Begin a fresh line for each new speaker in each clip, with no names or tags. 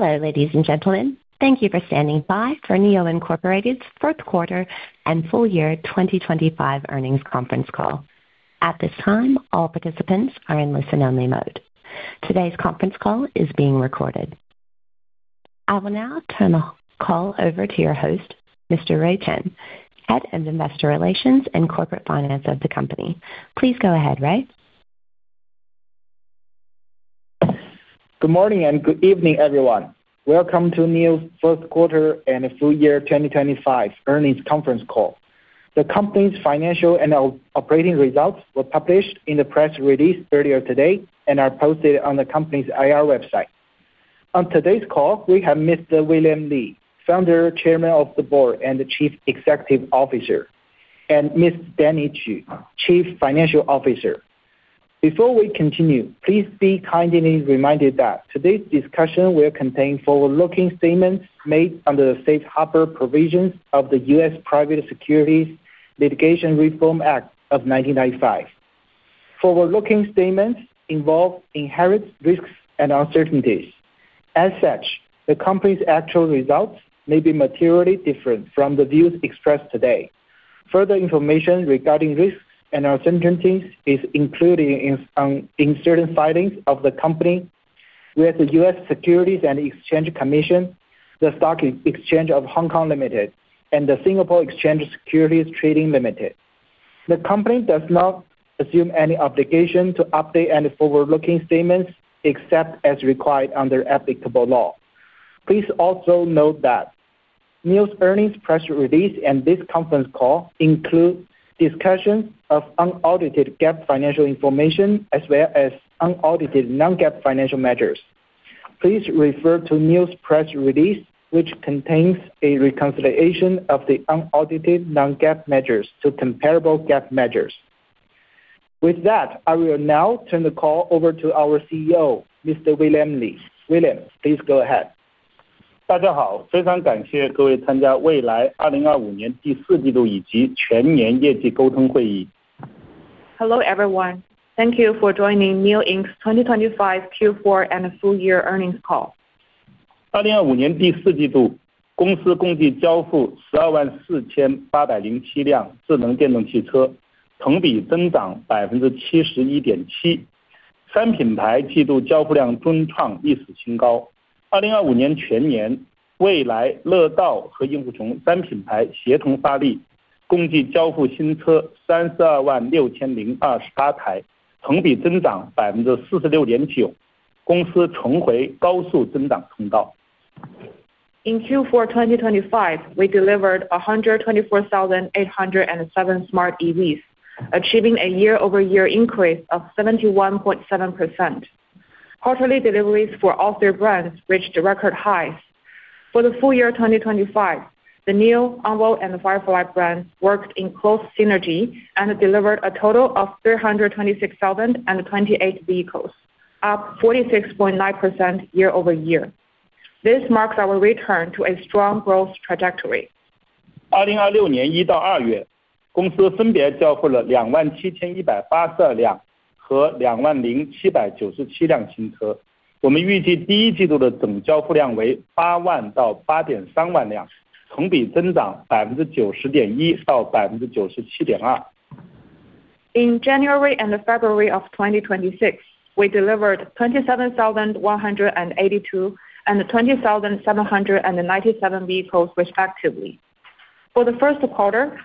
Hello, ladies and gentlemen. Thank you for standing by for NIO Inc.'s fourth quarter and full year 2025 earnings conference call. At this time, all participants are in listen-only mode. Today's conference call is being recorded. I will now turn the call over to your host, Mr. Rui Chen, Head of Investor Relations and Corporate Finance of the company. Please go ahead, Ray.
Good morning and good evening, everyone. Welcome to NIO's first quarter and full year 2025 earnings conference call. The company's financial and operating results were published in the press release earlier today and are posted on the company's IR website. On today's call, we have Mr. William Li, Founder, Chairman of the Board, and the Chief Executive Officer, and Ms. Stanley Qu, Chief Financial Officer. Before we continue, please be kindly reminded that today's discussion will contain forward-looking statements made under the safe harbor provisions of the U.S. Private Securities Litigation Reform Act of 1995. Forward-looking statements involve inherent risks and uncertainties. As such, the company's actual results may be materially different from the views expressed today. Further information regarding risks and uncertainties is included in certain filings of the company with the U.S. Securities and Exchange Commission, the Stock Exchange of Hong Kong Limited and the Singapore Exchange Securities Trading Limited. The company does not assume any obligation to update any forward-looking statements except as required under applicable law. Please also note that NIO's earnings press release and this conference call include discussion of unaudited GAAP financial information as well as unaudited non-GAAP financial measures. Please refer to NIO's press release, which contains a reconciliation of the unaudited non-GAAP measures to comparable GAAP measures. With that, I will now turn the call over to our CEO, Mr. William Li. William, please go ahead.
Hello, everyone. Thank you for joining NIO Inc. 2025 Q4 and full year earnings call. In Q4 2025, we delivered 124,807 smart EVs, achieving a year-over-year increase of 71.7%. Quarterly deliveries for all three brands reached record highs. For the full year 2025, the NIO, Onvo, and the Firefly brands worked in close synergy and delivered a total of 326,028 vehicles, up 46.9% year-over-year. This marks our return to a strong growth trajectory. In January and February of 2026, we delivered 27,182 and 27,797 vehicles respectively. For the first quarter, we expected total deliveries to be between 80,000 and 83,000 vehicles, representing a year-over-year increase of 90.1% to 97.2%.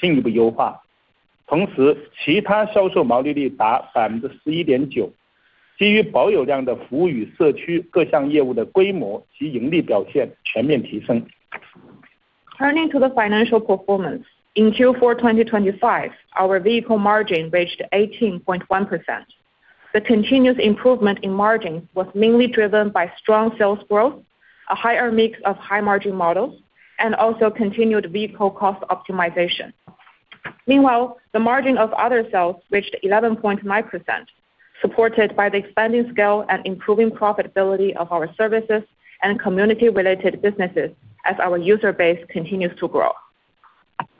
Turning to the financial performance. In Q4 2025, our vehicle margin reached 18.1%. The continuous improvement in margin was mainly driven by strong sales growth, a higher mix of high margin models, and also continued vehicle cost optimization. Meanwhile, the margin of other sales reached 11.9%, supported by the expanding scale and improving profitability of our services and community related businesses as our user base continues to grow.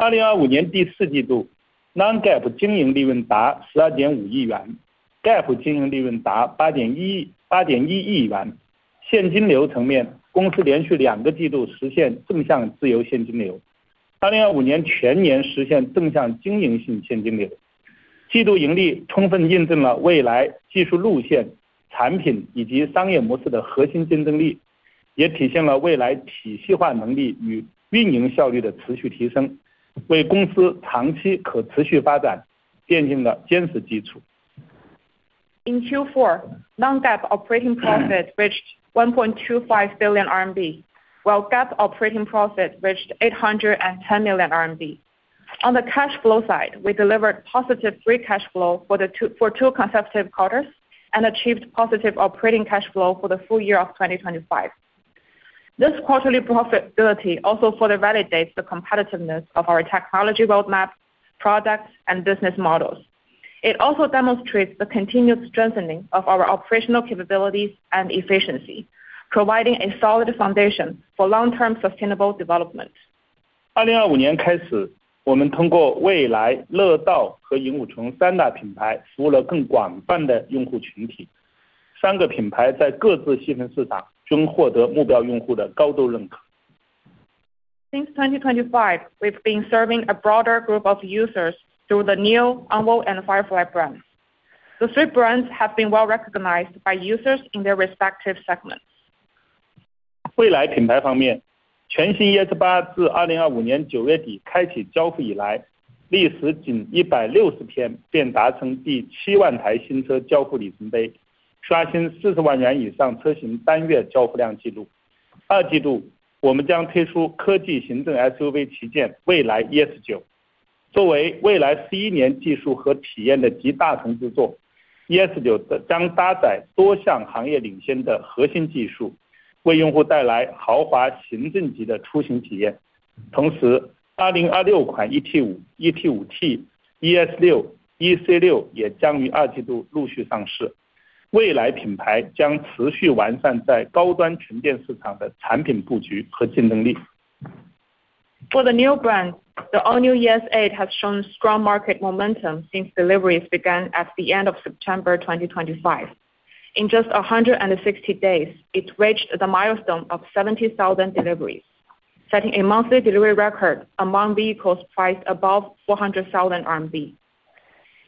2025年第四季度，non-GAAP经营利润达12.5亿元，GAAP经营利润达8.1亿元。现金流层面，公司连续两个季度实现正向自由现金流。2025年全年实现正向经营性现金流。季度盈利充分印证了未来技术路线、产品以及商业模式的核心竞争力，也体现了未来体系化能力与运营效率的持续提升，为公司长期可持续发展奠定了坚实基础。
In Q4, non-GAAP operating profit reached RMB1.25 billion, while GAAP operating profit reached 810 million RMB. On the cash flow side, we delivered positive free cash flow for two consecutive quarters and achieved positive operating cash flow for the full year of 2025. This quarterly profitability also further validates the competitiveness of our technology roadmap, products and business models. It also demonstrates the continued strengthening of our operational capabilities and efficiency, providing a solid foundation for long-term sustainable development.
2025年开始，我们通过蔚来、乐道和萤火虫三大品牌服务了更广泛的用户群体。三个品牌在各自细分市场均获得目标用户的高度认可。
Since 2025, we've been serving a broader group of users through the NIO, Onvo and Firefly brands. The three brands have been well-recognized by users in their respective segments. For the NIO brand, the all-new ES8 has shown strong market momentum since deliveries began at the end of September 2025. In just 160 days, it reached the milestone of 70,000 deliveries, setting a monthly delivery record among vehicles priced above 400,000 RMB.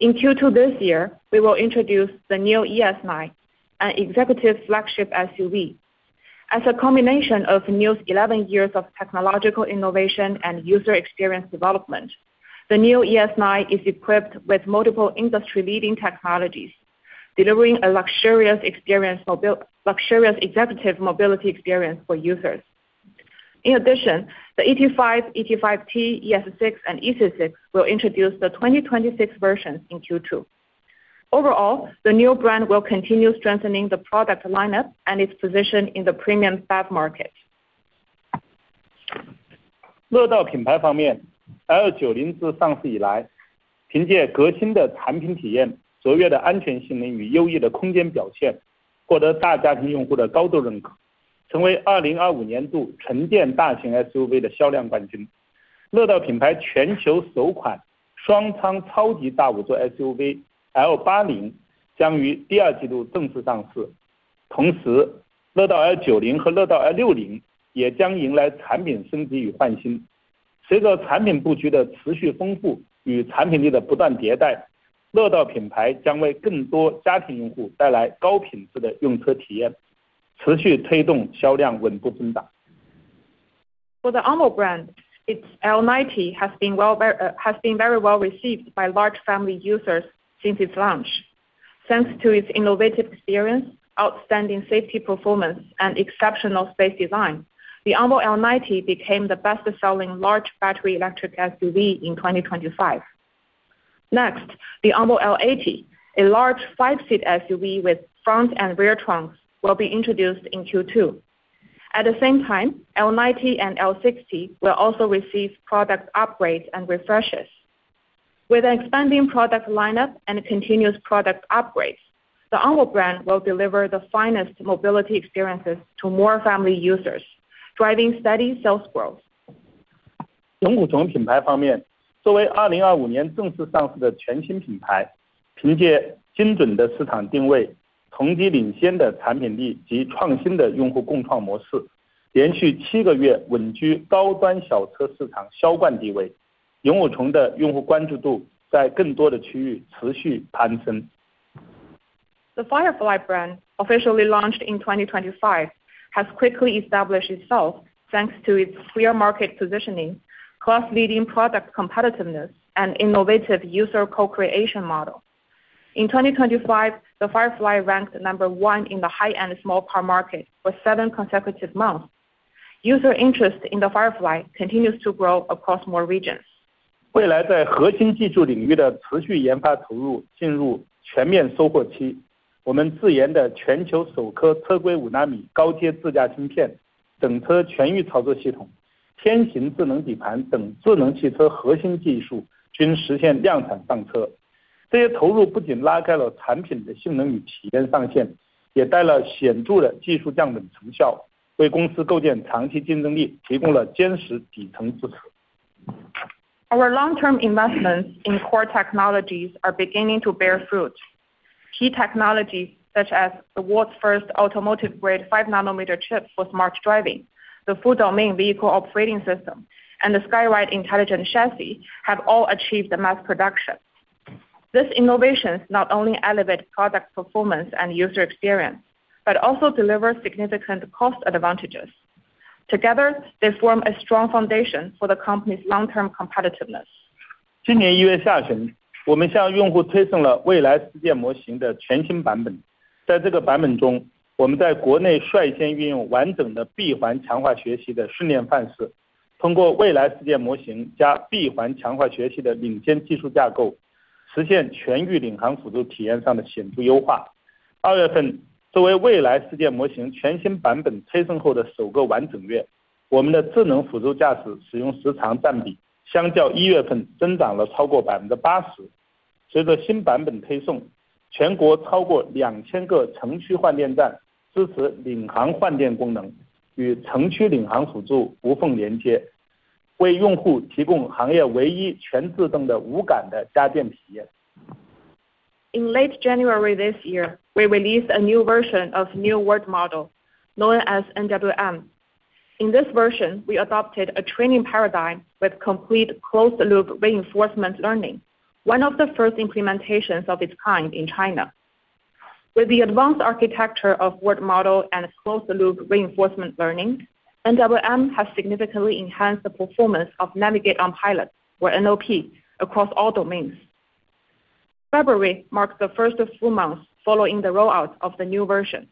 In Q2 this year, we will introduce the new ES9, an executive flagship SUV. As a combination of NIO's 11 years of technological innovation and user experience development, the new ES9 is equipped with multiple industry-leading technologies, delivering a luxurious executive mobility experience for users. In addition, the ET5, ET5T, ES6 and EC6 will introduce the 2026 versions in Q2. Overall, the NIO brand will continue strengthening the product lineup and its position in the premium BEV market. For the Onvo brand, its L90 has been very well received by large family users since its launch. Thanks to its innovative experience, outstanding safety performance, and exceptional space design, the Onvo L90 became the best-selling large battery electric SUV in 2025. Next, the Onvo L80, a large five-seat SUV with front and rear trunks, will be introduced in Q2. At the same time, L90 and L60 will also receive product upgrades and refreshes. With an expanding product lineup and continuous product upgrades, the Onvo brand will deliver the finest mobility experiences to more family users, driving steady sales growth.
萤火虫品牌方面，作为2025年正式上市的全新品牌，凭借精准的市场定位、同级领先的产品力及创新的用户共创模式，连续七个月稳居高端小车市场销冠地位。萤火虫的用户关注度在更多的区域持续攀升。
The Firefly brand, officially launched in 2025, has quickly established itself thanks to its clear market positioning, class-leading product competitiveness, and innovative user co-creation model. In 2025, the Firefly ranked number one in the high-end small car market for seven consecutive months. User interest in the Firefly continues to grow across more regions.
未来在核心技术领域的持续研发投入进入全面收获期。我们自研的全球首颗车规五纳米高阶自驾芯片、整车全域操作系统、天行智能底盘等智能汽车核心技术均实现量产上车。这些投入不仅拉开了产品的性能与体验上限，也带来了显著的技术降本成效，为公司构建长期竞争力提供了坚实底层支持。
Our long-term investments in core technologies are beginning to bear fruit. Key technologies such as the world's first automotive-grade 5-nanometer chip with smart driving, the full-domain vehicle operating system, and the SkyRide intelligent chassis have all achieved mass production. These innovations not only elevate product performance and user experience, but also deliver significant cost advantages. Together, they form a strong foundation for the company's long-term competitiveness. In late January this year, we released a new version of New World Model known as NWM. In this version, we adopted a training paradigm with complete closed-loop reinforcement learning, one of the first implementations of its kind in China. With the advanced architecture of world model and closed-loop reinforcement learning, NWM has significantly enhanced the performance of Navigate on Pilot or NOP across all domains. February marks the first of four months following the rollout of the new version.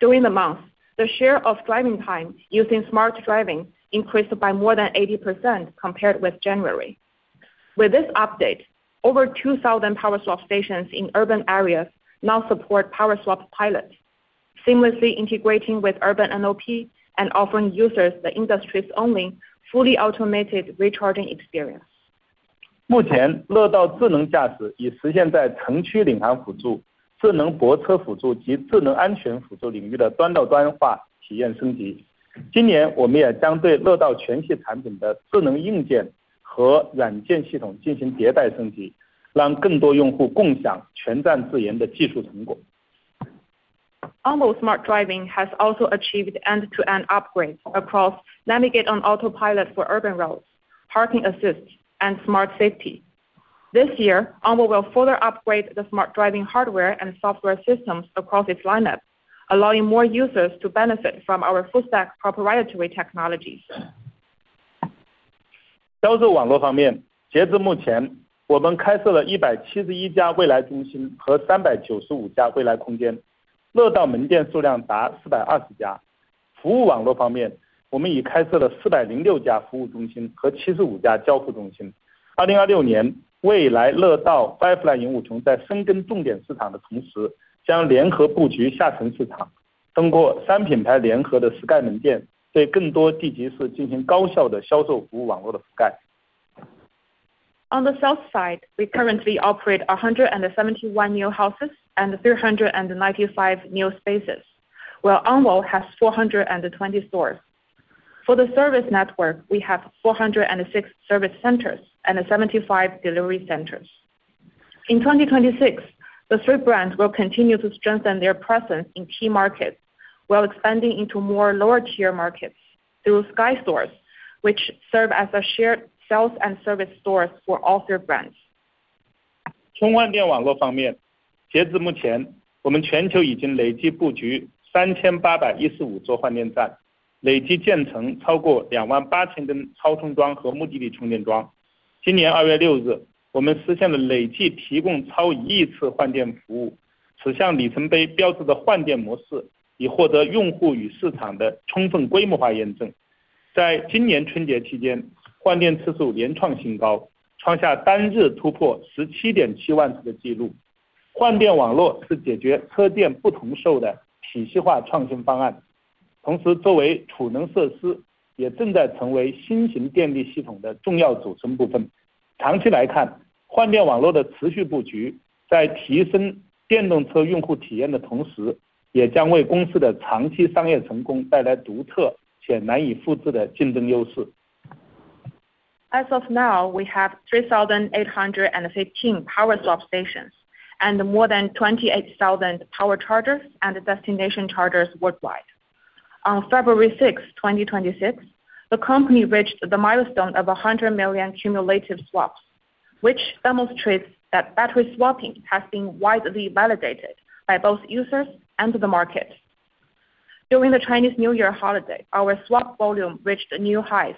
During the month, the share of driving time using smart driving increased by more than 80% compared with January. With this update, over 2,000 Power Swap stations in urban areas now support Power Swap on Pilot seamlessly integrating with urban NOP and offering users the industry's only fully automated recharging experience.
目前，乐道智能驾驶已实现在城区领航辅助、智能泊车辅助及智能安全辅助领域的端到端化体验升级。今年，我们也将对乐道全系产品的智能硬件和软件系统进行迭代升级，让更多用户共享全栈自研的技术成果。
Onvo Smart Driving has also achieved end-to-end upgrades across Navigate on Autopilot for urban roads, parking assist and smart safety. This year, Onvo will further upgrade the smart driving hardware and software systems across its lineup, allowing more users to benefit from our full stack proprietary technologies. On the sales side, we currently operate 171 NIO Houses and 395 NIO Spaces, while Onvo has 420 stores. For the service network, we have 406 service centers and 75 delivery centers. In 2026, the three brands will continue to strengthen their presence in key markets while expanding into more lower-tier markets through Sky Stores, which serve as shared sales and service stores for all three brands. As of now, we have 3,815 Power Swap stations and more than 28,000 Power Chargers and destination chargers worldwide. On February sixth, 2026, the company reached the milestone of 100 million cumulative swaps, which demonstrates that battery swapping has been widely validated by both users and the market. During the Chinese New Year holiday, our swap volume reached new highs,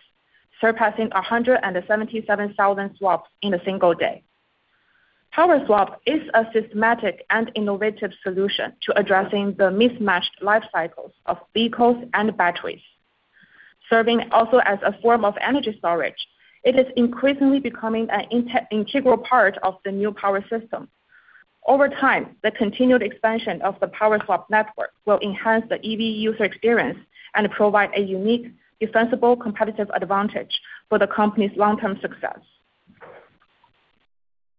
surpassing 177,000 swaps in a single day. Power Swap is a systematic and innovative solution to addressing the mismatched life cycles of vehicles and batteries. Serving also as a form of energy storage, it is increasingly becoming an integral part of the new power system. Over time, the continued expansion of the Power Swap network will enhance the EV user experience and provide a unique, defensible competitive advantage for the company's long term success.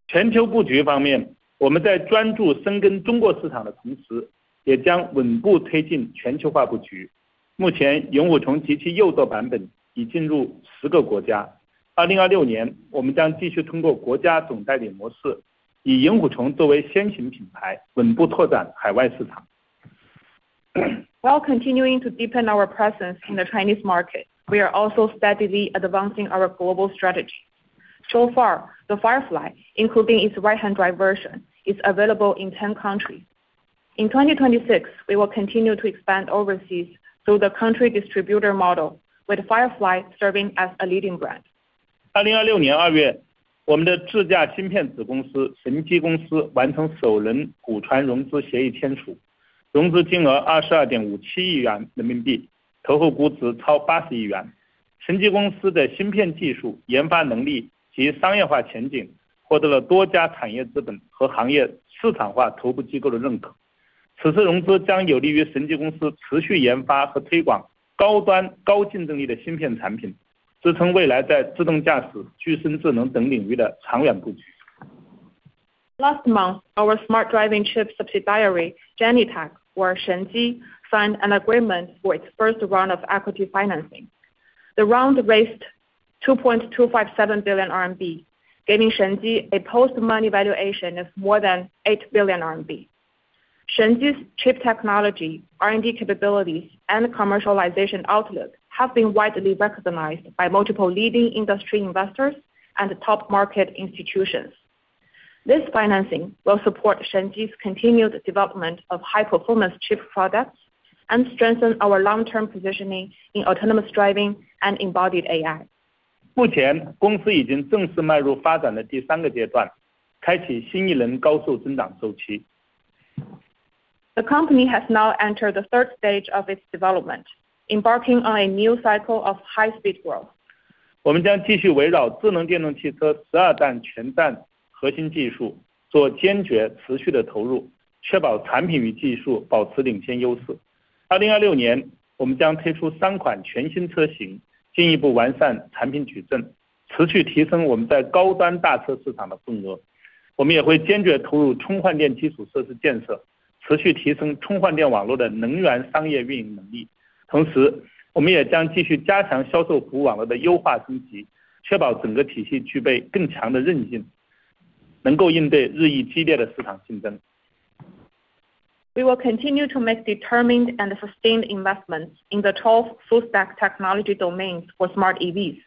全球布局方面，我们在专注深耕中国市场的同时，也将稳步推进全球化布局。目前，萤火虫及其右舵版本已进入十个国家。2026年，我们将继续通过国家总代理模式，以萤火虫作为先行品牌，稳步拓展海外市场。
While continuing to deepen our presence in the Chinese market, we are also steadily advancing our global strategy. So far, the Firefly, including its right-hand drive version, is available in 10 countries. In 2026, we will continue to expand overseas through the country distributor model, with Firefly serving as a leading brand.
2026年2月，我们的智驾芯片子公司神基公司完成首轮股权融资协议签署，融资金额22.57亿元人民币，投后估值超80亿元。神基公司的芯片技术、研发能力及商业化前景获得了多家产业资本和行业市场化投资机构的认可。此次融资将有利于神基公司持续研发和推广高端高竞争力的芯片产品，支撑未来在自动驾驶、具身智能等领域的长远布局。
Last month, our smart driving chip subsidiary, GeniTech or Shenji, signed an agreement for its first round of equity financing. The round raised 2.257 billion RMB, giving Shenji a post-money valuation of more than 8 billion RMB. Shenji's chip technology, R&D capabilities, and commercialization outlook have been widely recognized by multiple leading industry investors and top market institutions. This financing will support Shenji's continued development of high-performance chip products and strengthen our long-term positioning in autonomous driving and embodied AI.
目前，公司已经正式迈入发展的第三个阶段，开启新一轮高速增长周期。
The company has now entered the third stage of its development, embarking on a new cycle of high-speed growth. We will continue to make determined and sustained investments in the 12 full stack technology domains for smart EVs,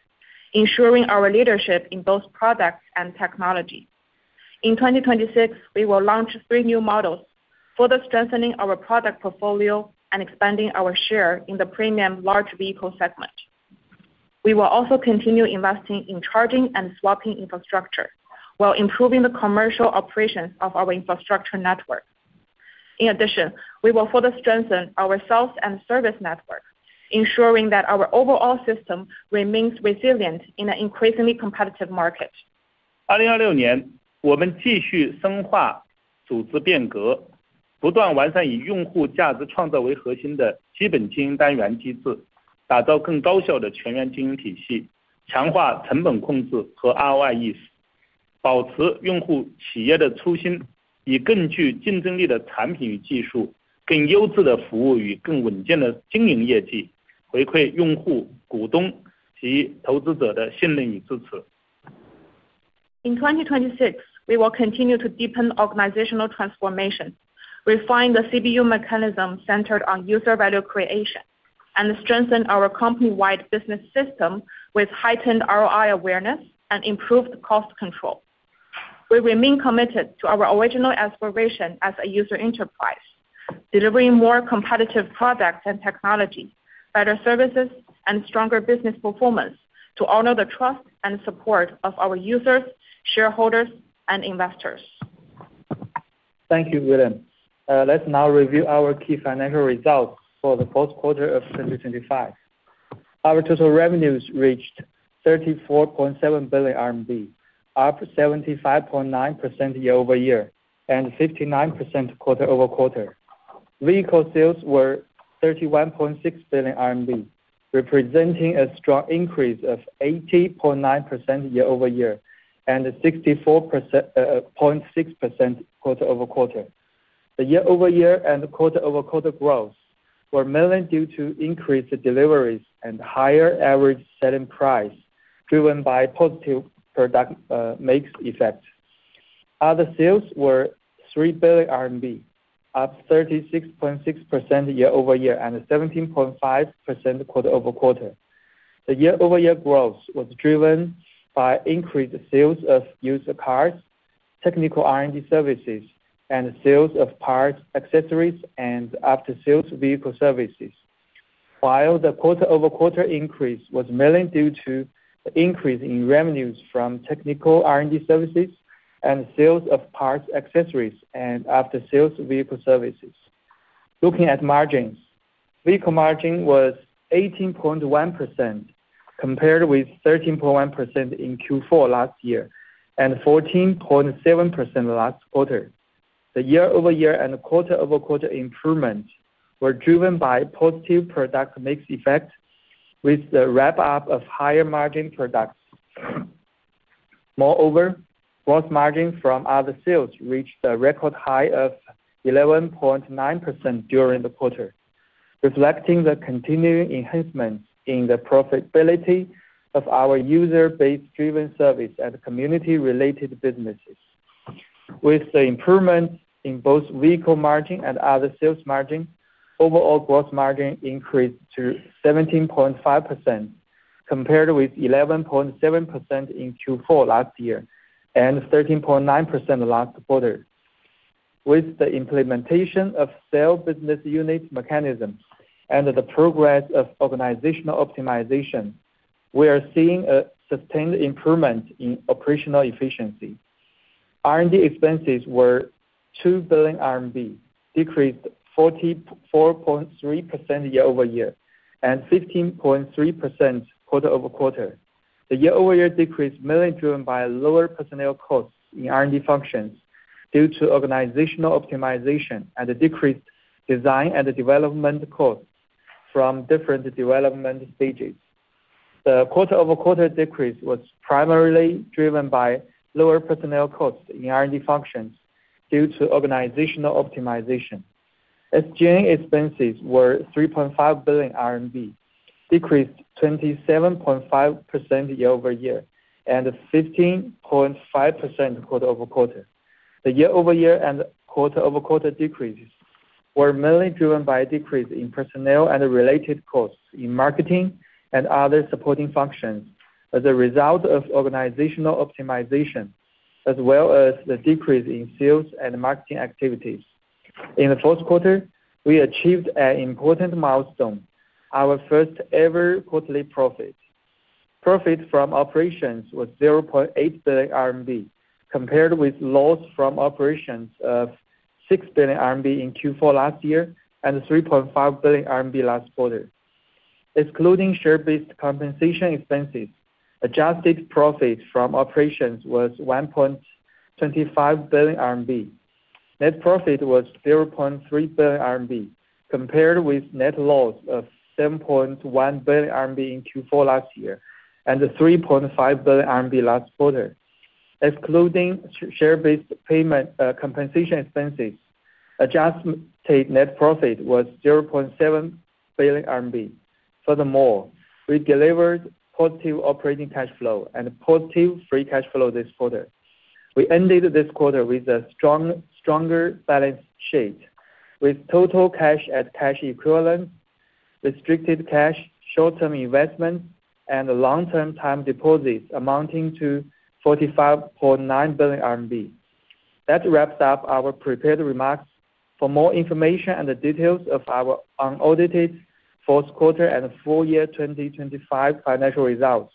ensuring our leadership in both products and technology. In 2026, we will launch three new models, further strengthening our product portfolio and expanding our share in the premium large vehicle segment. We will also continue investing in charging and swapping infrastructure while improving the commercial operations of our infrastructure network. In addition, we will further strengthen our sales and service network, ensuring that our overall system remains resilient in an increasingly competitive market.
二零二六年，我们继续深化组织变革，不断完善以用户价值创造为核心的基本经营单元机制，打造更高效的全员经营体系，强化成本控制和ROI意识，保持用户企业的初心，以更具竞争力的产品与技术、更优质的服务与更稳健的经营业绩，回馈用户、股东及投资者的信任与支持。In 2026, we will continue to deepen organizational transformation, refine the CBU mechanism centered on user value creation and strengthen our company wide business system with heightened ROI awareness and improved cost control. We remain committed to our original aspiration as user enterprise, delivering more competitive products and technology, better services and stronger business performance to honor the trust and support of our users, shareholders, and investors.
Thank you, William. Let's now review our key financial results for the fourth quarter of 2025. Our total revenues reached 34.7 billion RMB, up 75.9% year-over-year and 59% quarter-over-quarter. Vehicle sales were 31.6 billion RMB, representing a strong increase of 80.9% year-over-year and 64.6% quarter-over-quarter. The year-over-year and quarter-over-quarter growth were mainly due to increased deliveries and higher average selling price driven by positive product mix effect. Other sales were 3 billion RMB, up 36.6% year-over-year and 17.5% quarter-over-quarter. The year-over-year growth was driven by increased sales of used cars, technical R&D services, and sales of parts, accessories, and after-sales vehicle services. While the quarter-over-quarter increase was mainly due to the increase in revenues from technical R&D services and sales of parts, accessories, and after-sales vehicle services. Looking at margins, vehicle margin was 18.1% compared with 13.1% in Q4 last year and 14.7% last quarter. The year-over-year and quarter-over-quarter improvements were driven by positive product mix effect with the wrap-up of higher margin products. Moreover, gross margin from other sales reached a record high of 11.9% during the quarter, reflecting the continuing enhancements in the profitability of our user base driven service and community related businesses. With the improvements in both vehicle margin and other sales margin, overall gross margin increased to 17.5% compared with 11.7% in Q4 last year and 13.9% last quarter. With the implementation of sales business unit mechanism and the progress of organizational optimization, we are seeing a sustained improvement in operational efficiency. R&D expenses were 2 billion RMB, decreased 44.3% year-over-year and 15.3% quarter-over-quarter. The year-over-year decrease mainly driven by lower personnel costs in R&D functions due to organizational optimization and a decrease design and development costs from different development stages. The quarter-over-quarter decrease was primarily driven by lower personnel costs in R&D functions due to organizational optimization. SG&A expenses were CNY 3.5 billion, decreased 27.5% year-over-year, and 15.5% quarter-over-quarter. The year-over-year and quarter-over-quarter decreases were mainly driven by a decrease in personnel and related costs in marketing and other supporting functions as a result of organizational optimization, as well as the decrease in sales and marketing activities. In the fourth quarter, we achieved an important milestone, our first ever quarterly profit. Profit from operations was 0.8 billion RMB, compared with loss from operations of 6 billion RMB in Q4 last year, and 3.5 billion RMB last quarter. Excluding share-based compensation expenses, adjusted profit from operations was 1.25 billion RMB. Net profit was 0.3 billion RMB, compared with net loss of 7.1 billion RMB in Q4 last year and 3.5 billion RMB last quarter. Excluding share-based compensation expenses, adjusted net profit was 0.7 billion RMB. Furthermore, we delivered positive operating cash flow and positive free cash flow this quarter. We ended this quarter with a stronger balance sheet, with total cash and cash equivalents, restricted cash, short-term investments, and long-term time deposits amounting to 45.9 billion RMB. That wraps up our prepared remarks. For more information and the details of our unaudited fourth quarter and full year 2025 financial results,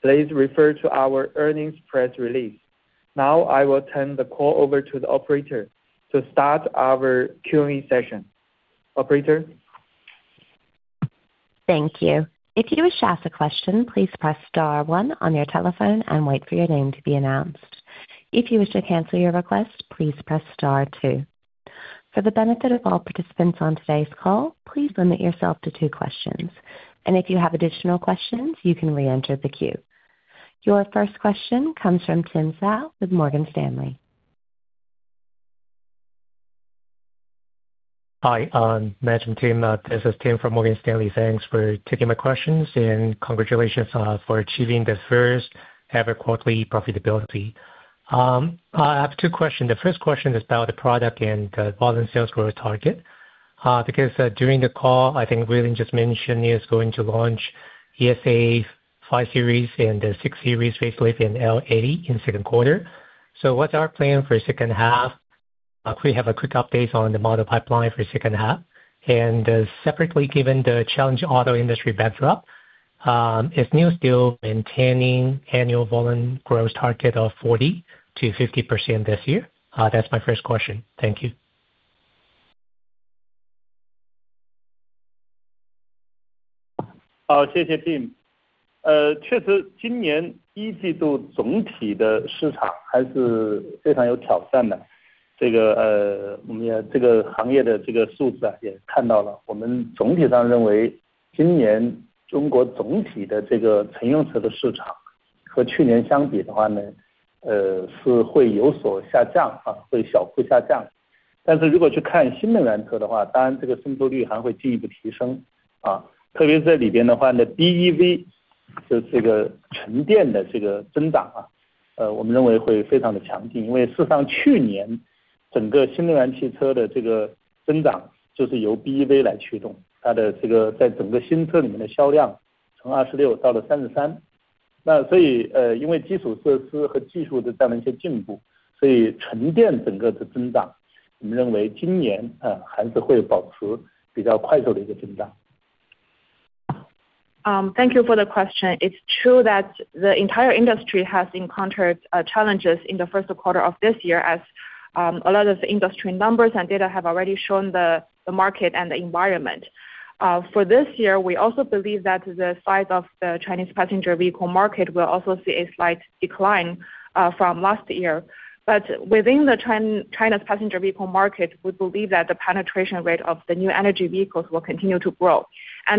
please refer to our earnings press release. Now, I will turn the call over to the operator to start our Q&A session. Operator?
Thank you. If you wish to ask a question, please press star one on your telephone and wait for your name to be announced. If you wish to cancel your request, please press star two. For the benefit of all participants on today's call, please limit yourself to two questions. If you have additional questions, you can re-enter the queue. Your first question comes from Tim Hsiao with Morgan Stanley.
Hi, management team. This is Tim from Morgan Stanley. Thanks for taking my questions, and congratulations for achieving the first ever quarterly profitability. I have two questions. The first question is about the product and volume sales growth target. Because during the call, I think William just mentioned he is going to launch ES8 and ET5 series and the ES6 series facelift and L80 in second quarter. What's our plan for second half? Could we have a quick update on the model pipeline for second half? Separately, given the challenging auto industry backdrop, is NIO still maintaining annual volume growth target of 40%-50% this year? That's my first question. Thank you.
Tim.
Thank you for the question. It's true that the entire industry has encountered challenges in the first quarter of this year as a lot of industry numbers and data have already shown the market and the environment. For this year, we also believe that the size of the Chinese passenger vehicle market will also see a slight decline from last year. Within the trend, China's passenger vehicle market, we believe that the penetration rate of the new energy vehicles will continue to grow.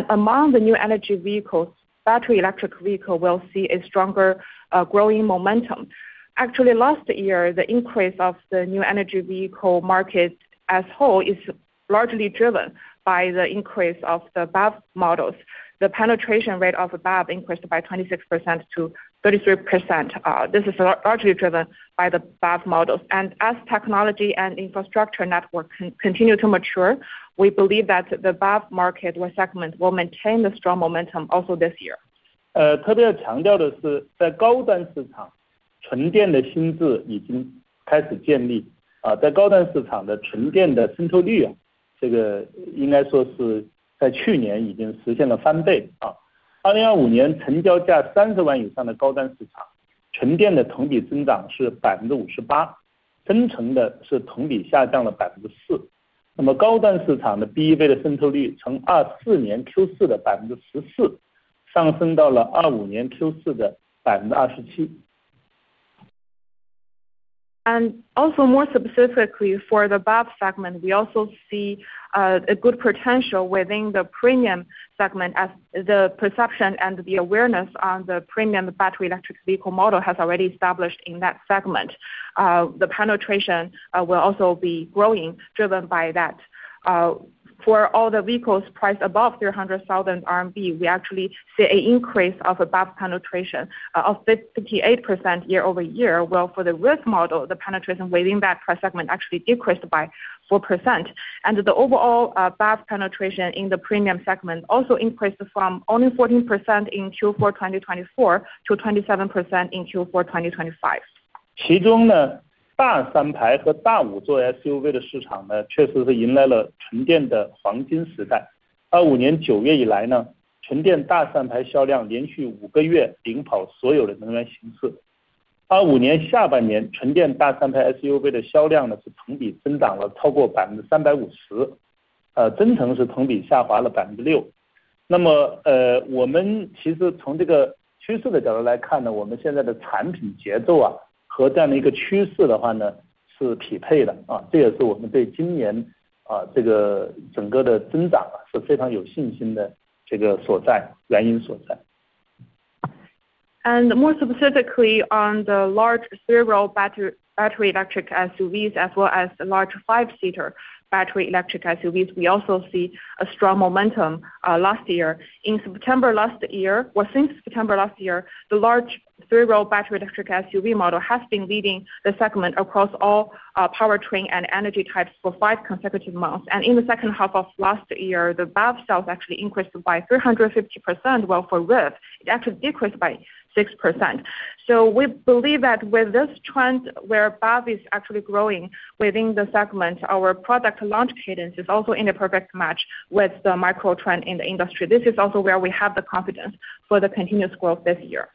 Among the new energy vehicles, battery electric vehicle will see a stronger growing momentum. Actually, last year, the increase of the new energy vehicle market as a whole is largely driven by the increase of the BEV models. The penetration rate of BEV increased by 26% to 33%. This is largely driven by the BEV models. As technology and infrastructure network continue to mature, we believe that the BEV market or segment will maintain the strong momentum also this year. More specifically for the BEV segment we also see a good potential within the premium segment as the perception and the awareness on the premium battery electric vehicle model has already established in that segment. The penetration will also be growing, driven by that. For all the vehicles priced above 300,000 RMB, we actually see an increase in penetration above 58% year-over-year, while for the EREV model, the penetration within that price segment actually decreased by 4%. The overall BEV penetration in the premium segment also increased from only 14% in Q4 2024 to 27% in Q4 2025. More specifically on the large three-row battery electric SUVs as well as large five-seater battery electric SUVs, we also see a strong momentum last year. Since September last year, the large three-row battery electric SUV model has been leading the segment across all powertrain and energy types for five consecutive months. In the second half of last year, the BEV sales actually increased by 350%, while for EREV, it actually decreased by 6%. We believe that with this trend where BEV is actually growing within the segment, our product launch cadence is also in a perfect match with the macro trend in the industry. This is also where we have the confidence for the continuous growth this year.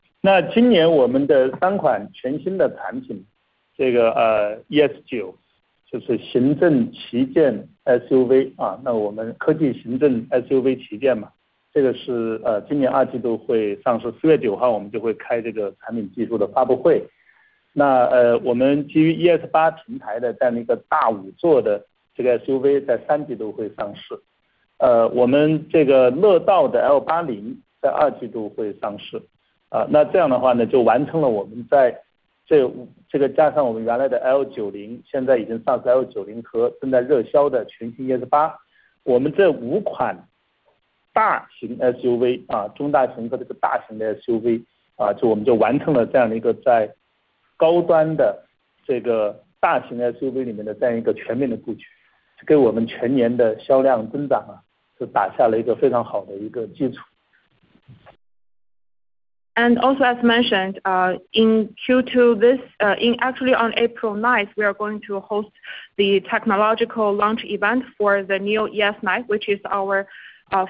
As mentioned, actually on April 9th, we are going to host the technological launch event for the new ES9, which is our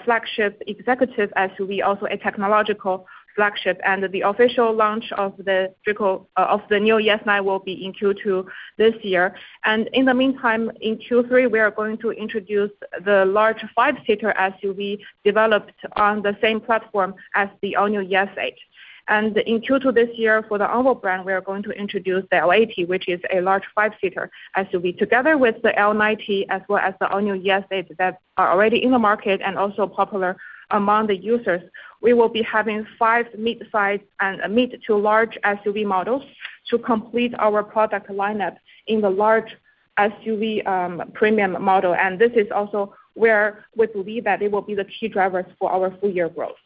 flagship executive SUV, also a technological flagship. The official launch of the new ES9 will be in Q2 this year. In the meantime, in Q3, we are going to introduce the large five-seater SUV developed on the same platform as the all-new ES8. In Q2 this year for the Onvo brand, we are going to introduce the L80, which is a large five-seater SUV. Together with the L90 as well as the all-new ES8 that are already in the market and also popular among the users, we will be having five mid-size and mid to large SUV models to complete our product lineup in the large SUV, premium model. This is also where we believe that they will be the key drivers for our full year growth.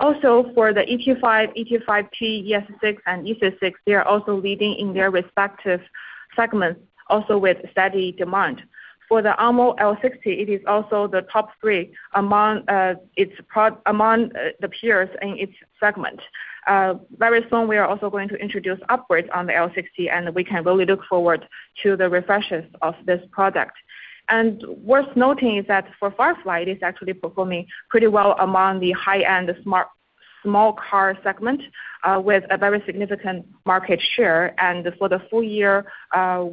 Also for the ET5, ET5T, ES6 and EC6, they are also leading in their respective segments also with steady demand. For the Onvo L60, it is also the top three among the peers in its segment. Very soon we are also going to introduce upwards on the L60, and we can really look forward to the refreshes of this product. Worth noting is that for Firefly, it's actually performing pretty well among the high-end smart small car segment with a very significant market share. For the full year,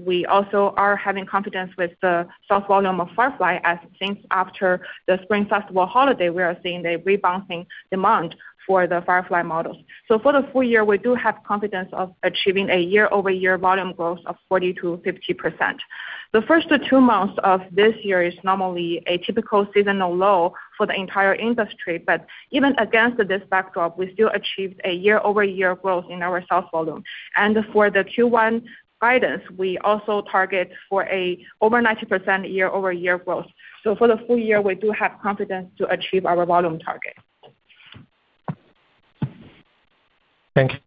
we also are having confidence with the sales volume of Firefly as since after the Spring Festival holiday, we are seeing a rebounding demand for the Firefly models. For the full year, we do have confidence of achieving a year-over-year volume growth of 40%-50%. The first two months of this year is normally a typical seasonal low for the entire industry, but even against this backdrop, we still achieved a year-over-year growth in our sales volume. For the Q1 guidance, we also target for over 90% year-over-year growth. For the full year, we do have confidence to achieve our volume target.
Thank you.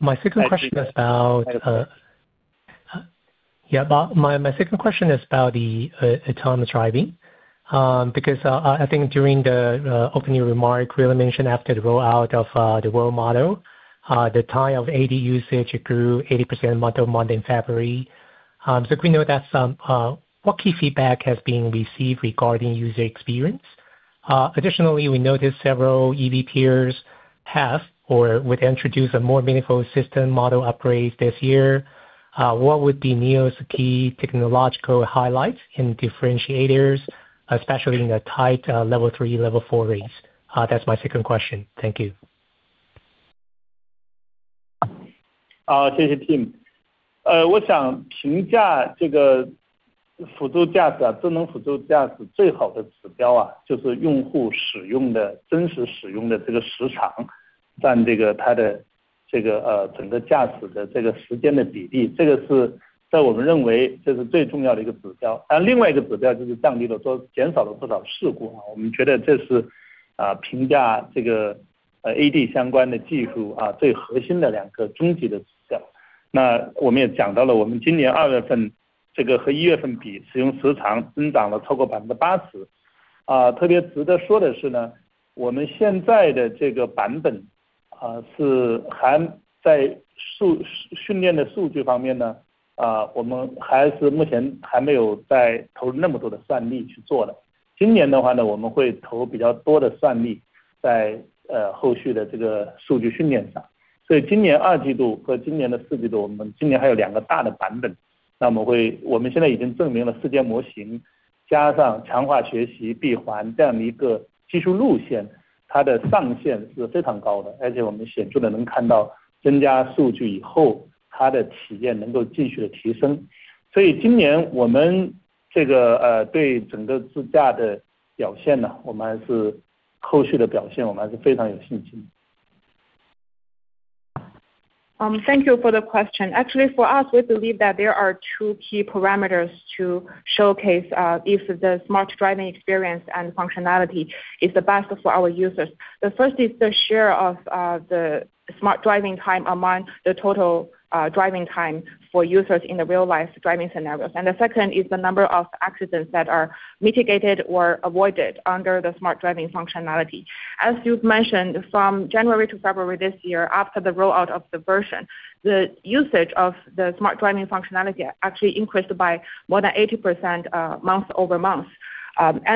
My second question is about autonomous driving because I think during the opening remark, William Li mentioned after the rollout of the world model, the time of AD usage grew 80% month-over-month in February. So, what key feedback has been received regarding user experience? Additionally, we noticed several EV peers have or would introduce a more meaningful system model upgrades this year. What would be NIO's key technological highlights and differentiators, especially in the level three, level four range? That's my second question. Thank you.
谢谢Tim。我想评价这个辅助驾驶、智能辅助驾驶最好的指标，就是用户使用的、真实使用的这个时长，占它的整个驾驶的这个时间的比例，这个是在我们认为这是最重要的一个指标。另外一个指标就是降低了，说减少了不少事故，我们觉得这是评价这个AD相关的技术，最核心的两个终极的指标。那我们也讲到了，我们今年二月份，这个和一月份比，使用时长增长了超过80%。特别值得说的是，我们现在的这个版本，是还在数据训练方面，我们目前还没有投入那么多的算力去做的。今年的话，我们会投比较多的算力在后续的这个数据训练上。所以今年二季度和今年的四季度，我们今年还有两个大的版本，那么我们现在已经证明了端到端模型加上closed-loop reinforcement
Thank you for the question. Actually, for us, we believe that there are two key parameters to showcase if the smart driving experience and functionality is the best for our users. The first is the share of the smart driving time among the total driving time for users in the real life driving scenarios. The second is the number of accidents that are mitigated or avoided under the smart driving functionality. As you've mentioned, from January to February this year, after the rollout of the version, the usage of the smart driving functionality actually increased by more than 80%, month-over-month.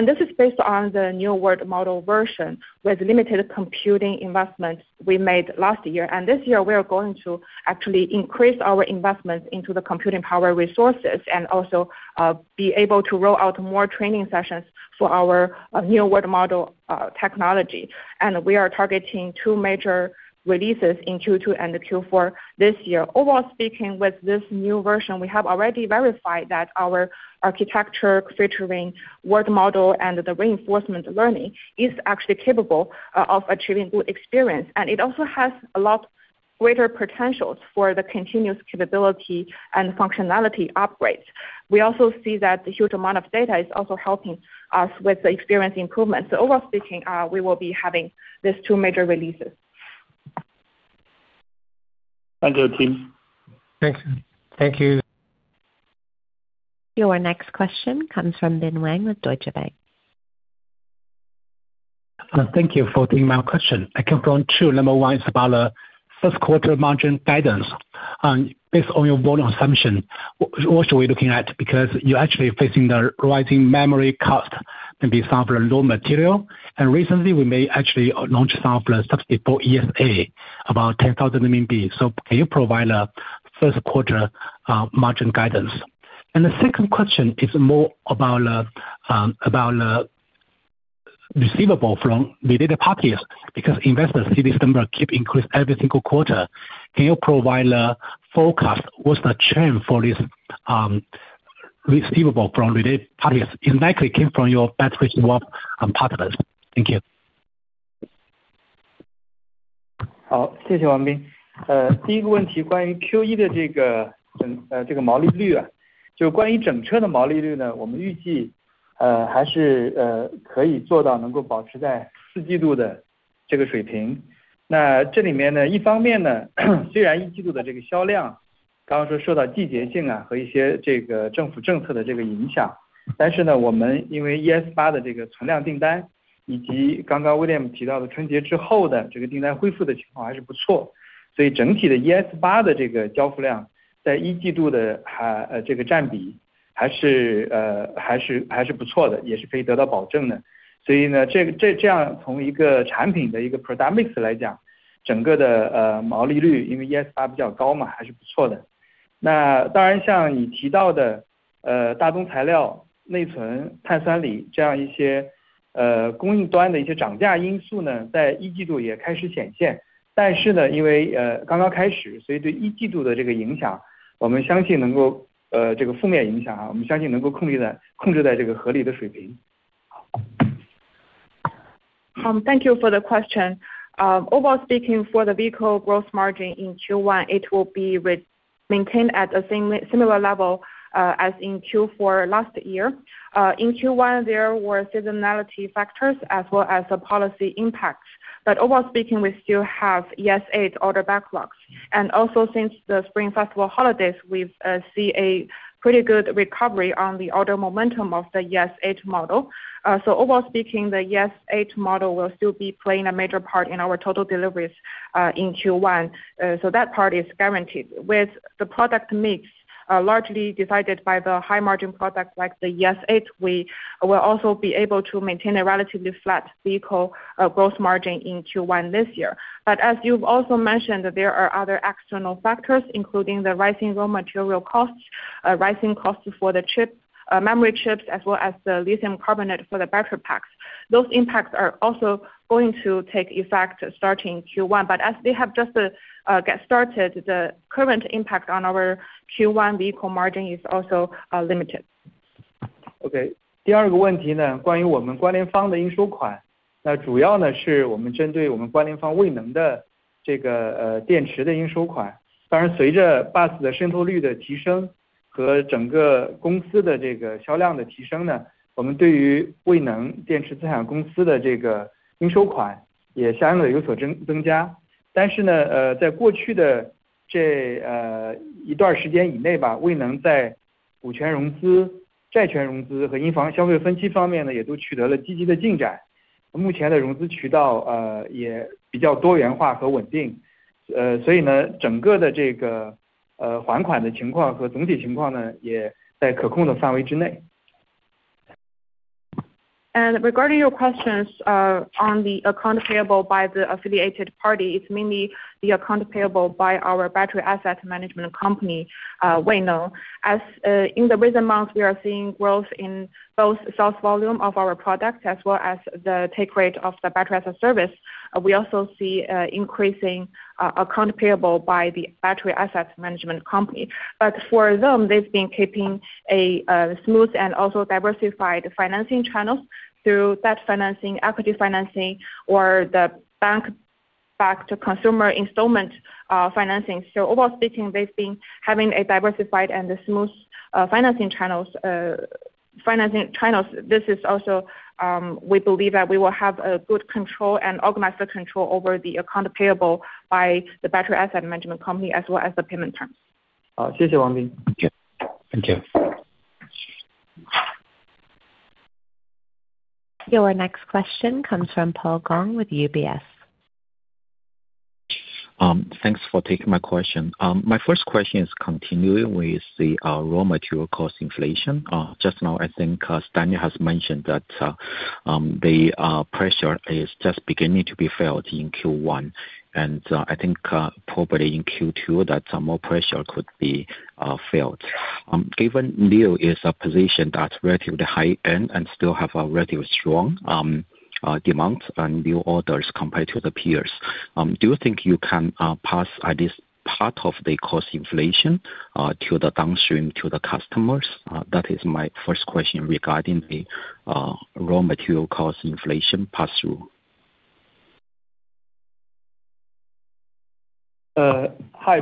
This is based on the New World Model version with limited computing investments we made last year. This year, we are going to actually increase our investments into the computing power resources and also, be able to roll out more training sessions for our, New World Model, technology. We are targeting two major releases in Q2 and Q4 this year. Overall speaking, with this new version, we have already verified that our architecture featuring world model and the reinforcement learning is actually capable of achieving good experience. It also has a lot greater potentials for the continuous capability and functionality upgrades. We also see that the huge amount of data is also helping us with the experience improvements. Overall speaking, we will be having these two major releases.
Thank you, team.
Thank you. Thank you.
Your next question comes from Bin Wang with Deutsche Bank.
Thank you for taking my question. I have two. Number 1 is about first quarter margin guidance. Based on your volume assumption, what are we looking at? Because you're actually facing the rising memory costs and costs for raw material. Recently we may actually launch some substitute for ES8, about 10,000 RMB. So can you provide a first quarter margin guidance? The second question is more about receivable from related parties because investors see this number keep increase every single quarter. Can you provide a forecast what's the trend for this receivable from related parties exactly came from your best receivable partners. Thank you.
Thank you for the question. Overall speaking for the vehicle gross margin in Q1, it will be maintained at a similar level as in Q4 last year. In Q1, there were seasonality factors as well as the policy impacts. Overall speaking, we still have ES8 order backlogs. Since the Spring Festival holidays, we've seen a pretty good recovery on the order momentum of the ES8 model. Overall speaking, the ES8 model will still be playing a major part in our total deliveries in Q1, so that part is guaranteed with the product mix largely decided by the high margin products like the ES8. We will also be able to maintain a relatively flat vehicle gross margin in Q1 this year. As you've also mentioned, there are other external factors, including the rising raw material costs, rising costs for the chips, memory chips as well as the lithium carbonate for the battery packs. Those impacts are also going to take effect starting Q1. As they have just get started, the current impact on our Q1 vehicle margin is also limited. Regarding your questions on the accounts payable by the affiliated party, it's mainly the accounts payable by our battery asset management company, Weineng, in the recent months, we are seeing growth in both sales volume of our products as well as the take rate of the battery as a service. We also see increasing accounts payable by the battery asset management company. For them, they've been keeping a smooth and also diversified financing channels through that financing, equity financing or the bank-backed consumer installment financing. Overall speaking, they've been having a diversified and smooth financing channels. This is also, we believe that we will have a good control and organized control over the accounts payable by the battery asset management company as well as the payment terms.
好，谢谢王斌。
Thank you.
Your next question comes from Paul Gong with UBS.
Thanks for taking my question. My first question is continuing with the raw material cost inflation. Just now I think Stanley Qu has mentioned that the pressure is just beginning to be felt in Q1, and I think probably in Q2 that some more pressure could be felt. Given NIO is a position that's relatively high end and still have a relative strong demand and new orders compared to the peers. Do you think you can pass at least part of the cost inflation to the downstream to the customers? That is my first question regarding the raw material cost inflation pass through.
Hi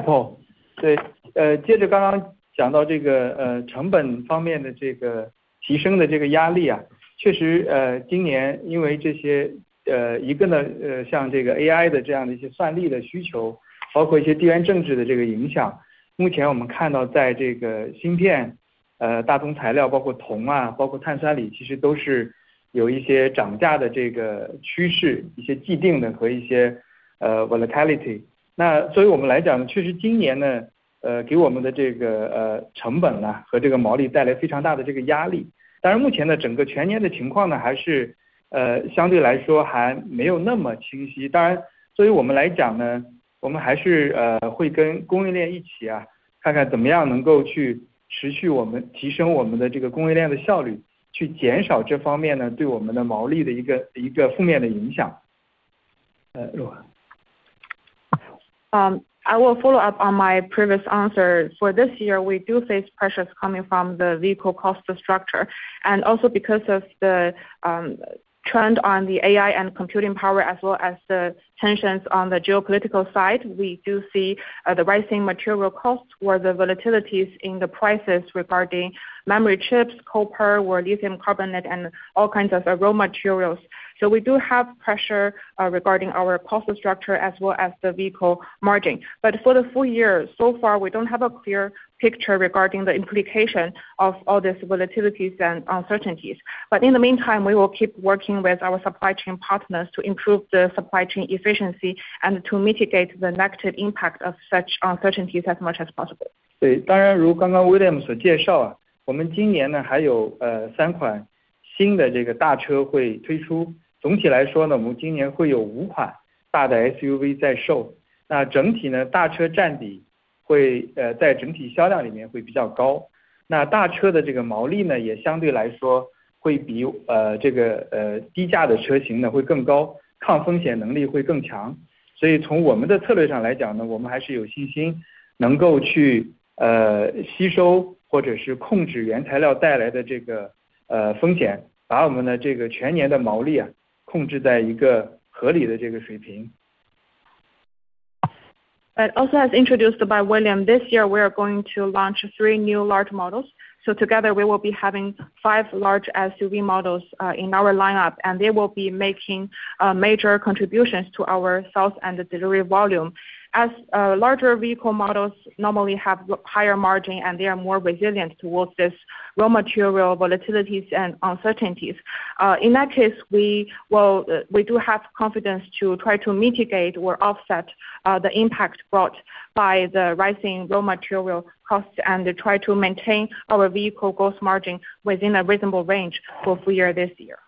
Paul。对，接着刚刚讲到这个成本方面的提升的压力，确实，今年因为这些，一个呢，像这个AI的这样的一些算力的需求，包括一些地缘政治的影响，目前我们看到在这个芯片、大宗材料，包括铜，包括碳酸锂，其实都是有一些涨价的趋势，一些既定的和一些volatility。那作为我们来讲呢，确实今年呢，给我们的成本和这个毛利带来非常大的压力。当然目前呢，整个全年的情况呢，还是相对来说还没有那么清晰。当然作为我们来讲呢，我们还是会跟供应链一起，看看怎么样能够去持续提升我们的供应链效率，去减少这方面对我们的毛利的负面影响。若冰。
I will follow up on my previous answer. For this year, we do face pressures coming in from the vehicle cost structure and also because of the trend on the AI and computing power, as well as the tensions on the geopolitical side, we do see the rising material costs or the volatilities in the prices regarding memory chips, copper or lithium carbonate, and all kinds of raw materials. We do have pressure regarding our cost structure as well as the vehicle margin. For the full year, so far, we don't have a clear picture regarding the implication of all these volatilities and uncertainties. In the meantime, we will keep working with our supply chain partners to improve the supply chain efficiency and to mitigate the negative impact of such uncertainties as much as possible. Also as introduced by William, this year we are going to launch three new large models. Together we will be having five large SUV models in our lineup, and they will be making major contributions to our sales and delivery volume. As larger vehicle models normally have higher margin and they are more resilient towards this raw material volatilities and uncertainties. In that case, we do have confidence to try to mitigate or offset the impact brought by the rising raw material costs, and try to maintain our vehicle gross margin within a reasonable range for full year this year.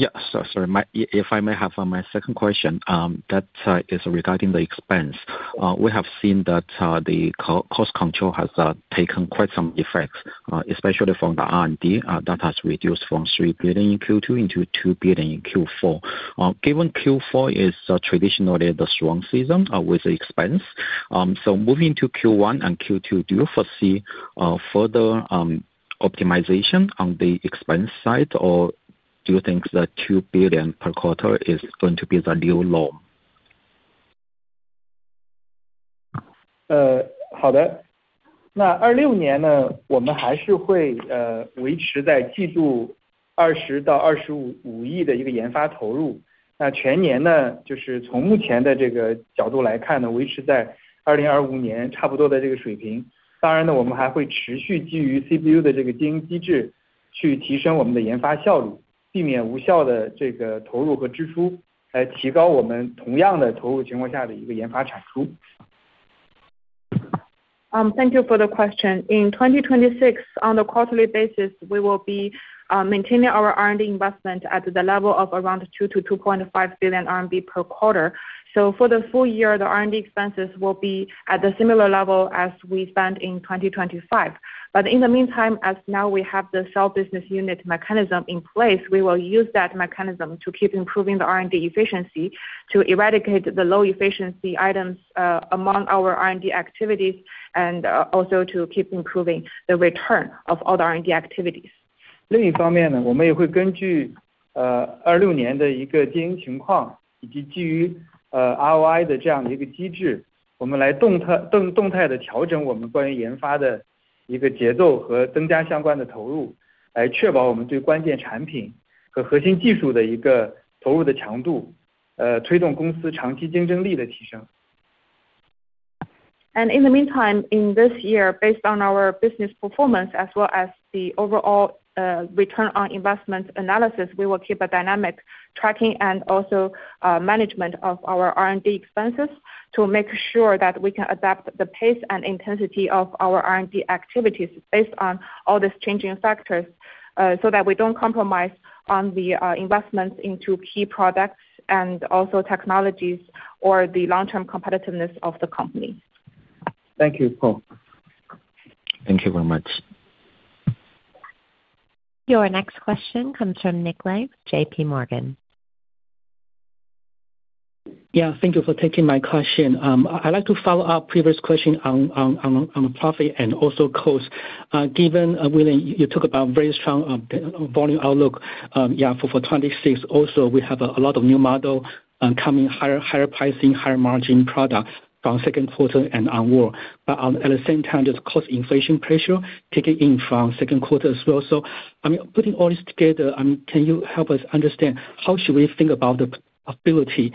Thank you, Paul.
Sorry. If I may have my second question, that is regarding the expense. We have seen that the cost control has taken quite some effects, especially from the R&D that has reduced from 3 billion in Q2 into 2 billion in Q4. Given Q4 is traditionally the strong season with the expense, moving to Q1 and Q2, do you foresee further optimization on the expense side, or do you think that 2 billion per quarter is going to be the new norm?
好的，那2026年呢，我们还是会维持在季度20到25.5亿的一个研发投入。那全年呢，就是从目前的这个角度来看呢，维持在2025年差不多的这个水平。当然呢，我们还会持续基于CBU的这个经营机制，去提升我们的研发效率，避免无效的这个投入和支出，来提高我们同样的投入下的一个研发产出。
Thank you for the question. In 2026, on a quarterly basis, we will be maintaining our R&D investment at the level of around 2-2.5 billion RMB per quarter. For the full year, the R&D expenses will be at the similar level as we spent in 2025. In the meantime, as now we have the Cell Business Unit mechanism in place, we will use that mechanism to keep improving the R&D efficiency, to eradicate the low-efficiency items among our R&D activities, and also to keep improving the return of all the R&D activities.
另一方面，我们也会根据2026年的经营情况，以及基于ROI的机制，动态地调整我们关于研发的节奏和增加相关的投入，来确保我们最关键产品和核心技术的投入强度，推动公司长期竞争力的提升。
In the meantime, in this year, based on our business performance as well as the overall return on investment analysis, we will keep a dynamic tracking and also management of our R&D expenses to make sure that we can adapt the pace and intensity of our R&D activities based on all these changing factors, so that we don't compromise on the investments into key products and also technologies or the long-term competitiveness of the company.
Thank you, Paul.
Thank you very much.
Your next question comes from Nick Lai, JPMorgan.
Yeah, thank you for taking my question. I'd like to follow up previous question on profit and also cost, given William, you talk about very strong volume outlook, yeah, for 2026, also, we have a lot of new model coming higher pricing, higher margin products from second quarter and onward. At the same time, there's cost inflation pressure kicking in from second quarter as well. I mean, putting all this together, I mean, can you help us understand how should we think about the profitability,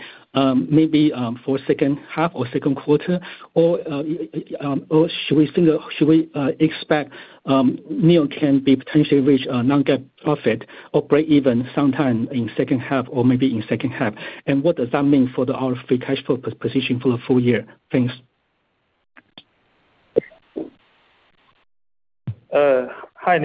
maybe for second half or second quarter? Or should we expect NIO can be potentially reach non-GAAP profit or breakeven sometime in second half or maybe in second half? What does that mean for our free cash flow position for the full year? Thanks.
hi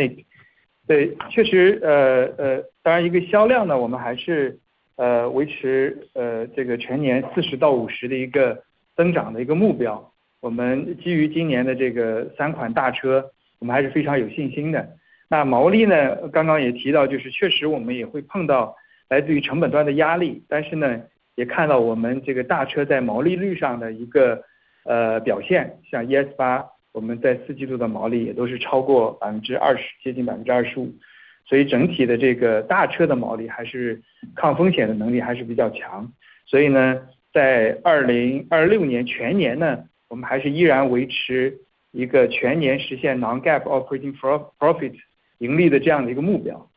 Nick。对，确实，当然一个销量呢，我们还是维持这个全年40到50的一个增长的一个目标。我们基于今年的这三款大车，我们还是非常有信心的。那毛利呢，刚刚也提到，就是确实我们也会碰到来自于成本端的压力，但是呢也看到我们这个大车在毛利率上的表现，像ES8我们在四季度的毛利也都是超过20%，接近25%，所以整体的这个大车的毛利还是抗风险的能力还是比较强。所以呢，在2026年全年呢，我们还是依然维持一个全年实现non-GAAP operating profit盈利的这样的一个目标。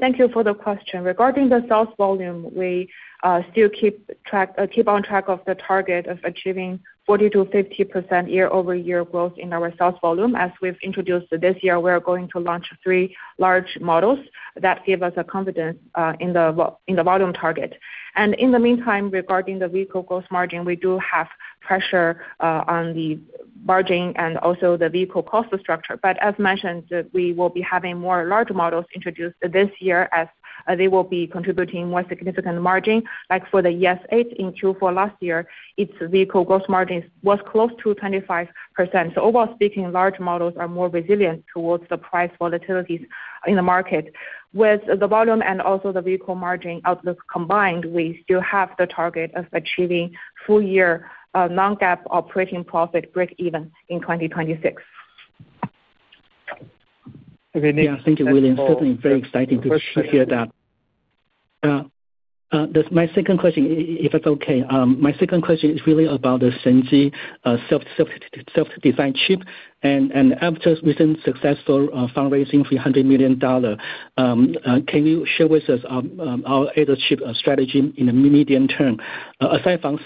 Thank you for the question. Regarding the sales volume, we still keep on track of the target of achieving 40%-50% year-over-year growth in our sales volume. As we've introduced this year, we are going to launch three large models that give us a confidence in the volume target. In the meantime, regarding the vehicle gross margin, we do have pressure on the margin and also the vehicle cost structure. As mentioned, we will be having more large models introduced this year as they will be contributing more significant margin. Like for the ES8 in Q4 last year, its vehicle gross margin was close to 25%. Overall speaking, large models are more resilient towards the price volatility in the market. With the volume and also the vehicle margin outlook combined, we still have the target of achieving full-year non-GAAP operating profit breakeven in 2026.
Yeah, thank you, William. Certainly very exciting to hear that. This my second question, if it's okay. My second question is really about the Shenji self-designed chip and after recent successful fundraising $300 million, can you share with us our leadership strategy in the medium term? Aside from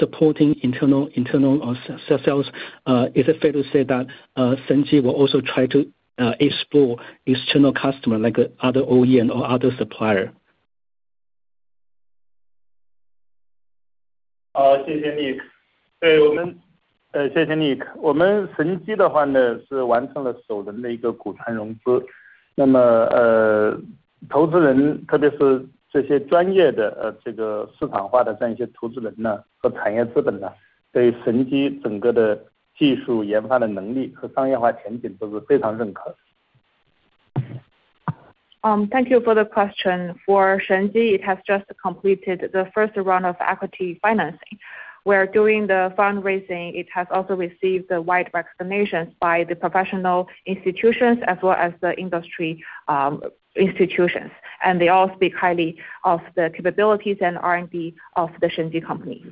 supporting internal sales, is it fair to say that Shenji will also try to explore external customer like other OEM or other supplier?
好，谢谢 Nick。我们神基的话呢，是完成了首轮的一个股权融资。那么投资人，特别是这些专业的、市场化的这样一些投资人呢和产业资本呢，对神基整个的技术研发的能力和商业化前景都是非常认可。
Thank you for the question. For Shenji, it has just completed the first round of equity financing, where during the fundraising it has also received a wide recognition by the professional institutions as well as the industry, institutions, and they all speak highly of the capabilities and R&D of the Shenji company.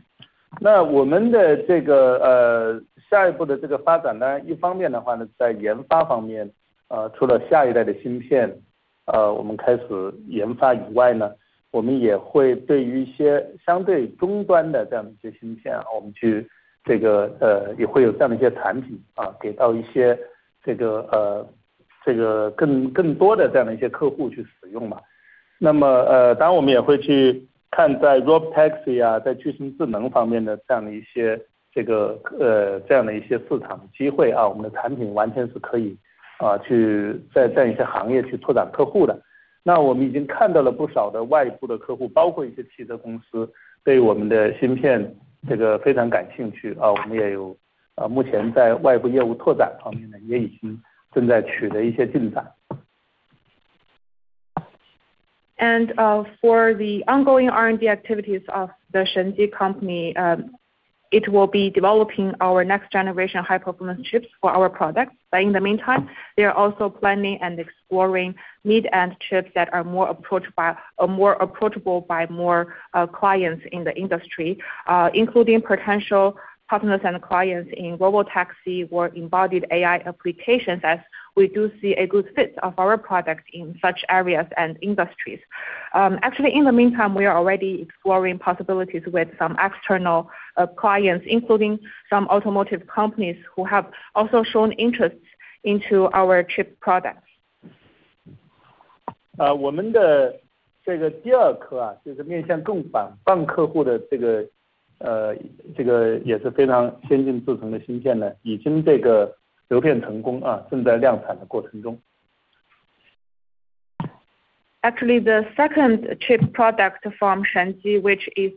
For the ongoing R&D activities of the Shenji company, it will be developing our next generation high-performance chips for our products. In the meantime, they are also planning and exploring mid-end chips that are more approachable by more clients in the industry, including potential partners and clients in robotaxi or embodied AI applications as we do see a good fit of our products in such areas and industries. Actually, in the meantime, we are already exploring possibilities with some external clients, including some automotive companies who have also shown interest in our chip products.
我们的第二颗，就是面向更广客户的，这个也是非常先进制程的芯片，已经流片成功，正在量产的过程中。
Actually, the second chip product from Shenji, which is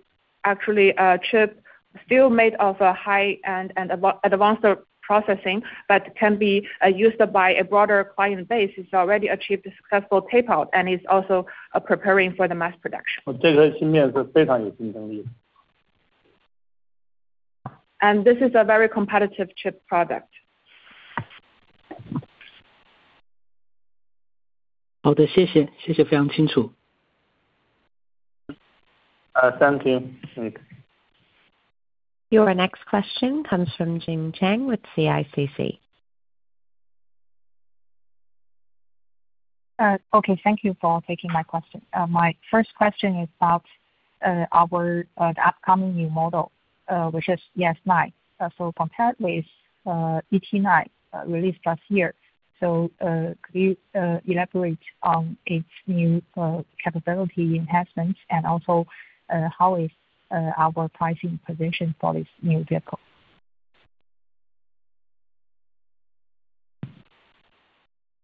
actually a chip still made of a high-end and advanced processing but can be used by a broader client base. It's already achieved successful tape out, and it's also preparing for the mass production.
这个芯片是非常有竞争力的。
This is a very competitive chip product.
好的，谢谢，谢谢，非常清楚。
Thank you.
Your next question comes from Jing Chang with CICC.
Okay. Thank you for taking my question. My first question is about the upcoming new model, which is ES9. Compared with ET9 released last year. Could you elaborate on its new capability enhancements and also how is our pricing position for this new vehicle?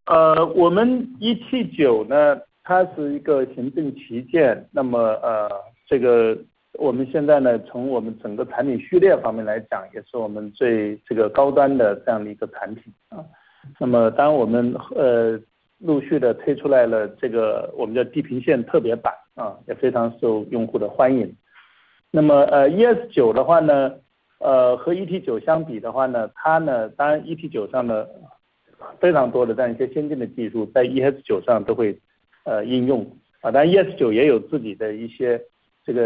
ET9是一个行政旗舰，从我们整个产品序列方面来讲，也是我们最高端的这样的一个产品。当然我们陆续地推出来了我们的地平线特别版，也非常受用户的欢迎。ES9的话，和ET9相比的话，ET9上非常多的一些先进的技术在ES9上都会应用。当然ES9也有自己的一些技术的创新，它的定位差别还是非常大的。ET9是一款行政旗舰的这样一个轿车，ES9的话，是一个科技行政SUV的这样一个旗舰，所以它们的定位其实是非常显著的差别。
Thank you for the question. New ET9 is our executive flagship. It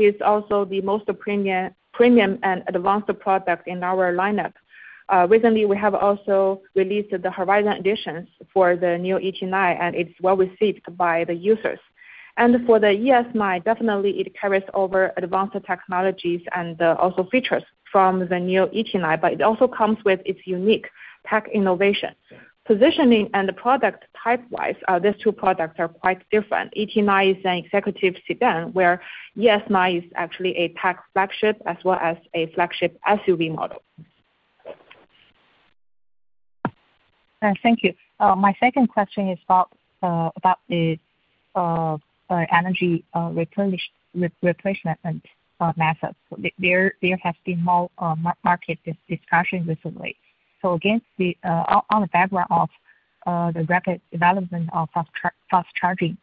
is also the most premier, premium and advanced product in our lineup. Recently we have also released the Horizon Edition for the new ET9 and it's well received by the users. For the ES9, definitely it carries over advanced technologies and also features from the new ET9, but it also comes with its unique tech innovation. Positioning and the product type wise, these two products are quite different. ET9 is an executive sedan where ES9 is actually a tech flagship as well as a flagship SUV model.
Thank you. My second question is about the energy replenishment replacement methods. There has been more market discussion recently. Against the background of the rapid development of fast charging,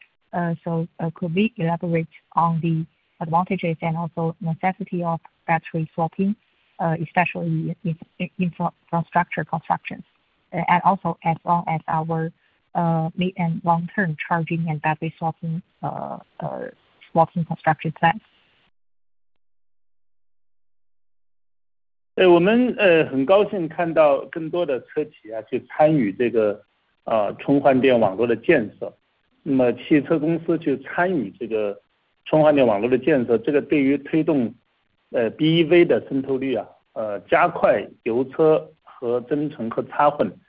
could we elaborate on the advantages and also necessity of battery swapping, especially in infrastructure construction. As well as our mid and long term charging and battery swapping construction plans.
我们很高兴看到更多的车企去参与这个充换电网络的建设。汽车公司去参与这个充换电网络的建设，这个对于推动BEV的渗透率，加快油车和增程和插混向纯电的转化，那是非常有好处的。我们特别高兴看到这样的一个变化，看到这样的一个趋势。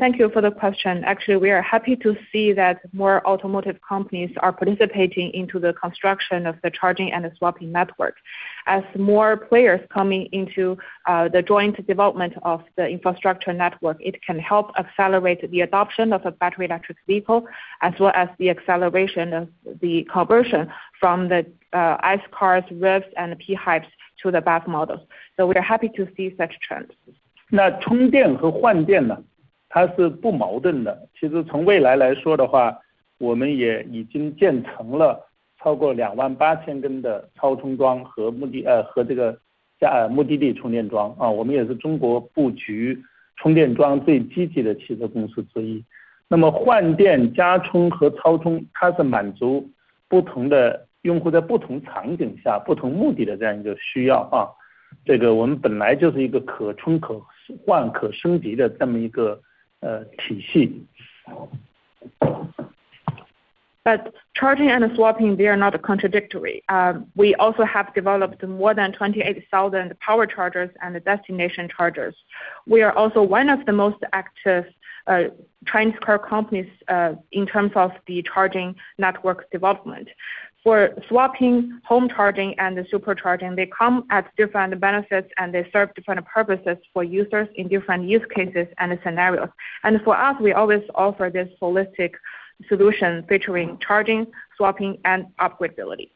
Thank you for the question. Actually we are happy to see that more automotive companies are participating into the construction of the charging and swapping network. As more players coming into the joint development of the infrastructure network, it can help accelerate the adoption of a battery electric vehicle as well as the acceleration of the conversion from the ICE cars, EREVs and PHEVs to the BEV models. We are happy to see such trends. Charging and swapping they are not contradictory. We also have developed more than 28,000 Power Chargers and destination chargers. We are also one of the most active trending car companies in terms of the charging network development. For swapping, home charging and supercharging, they come at different benefits and they serve different purposes for users in different use cases and scenarios. For us, we always offer this holistic solution featuring charging, swapping and upgradability.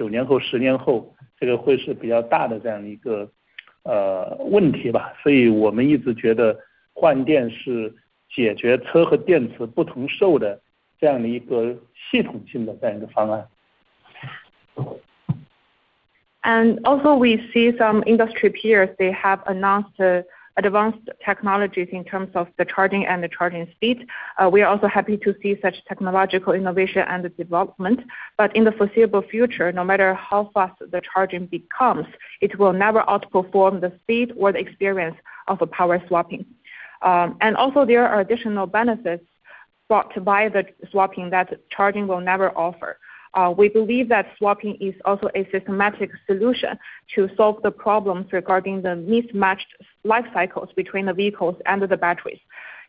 We see some industry peers they have announced advanced technologies in terms of the charging and the charging speed. We are also happy to see such technological innovation and development. In the foreseeable future, no matter how fast the charging becomes, it will never outperform the speed or the experience of a Power Swap. There are additional benefits to Power Swap that charging will never offer. We believe that Power Swap is also a systematic solution to solve the problems regarding the mismatched life cycles between the vehicles and the batteries.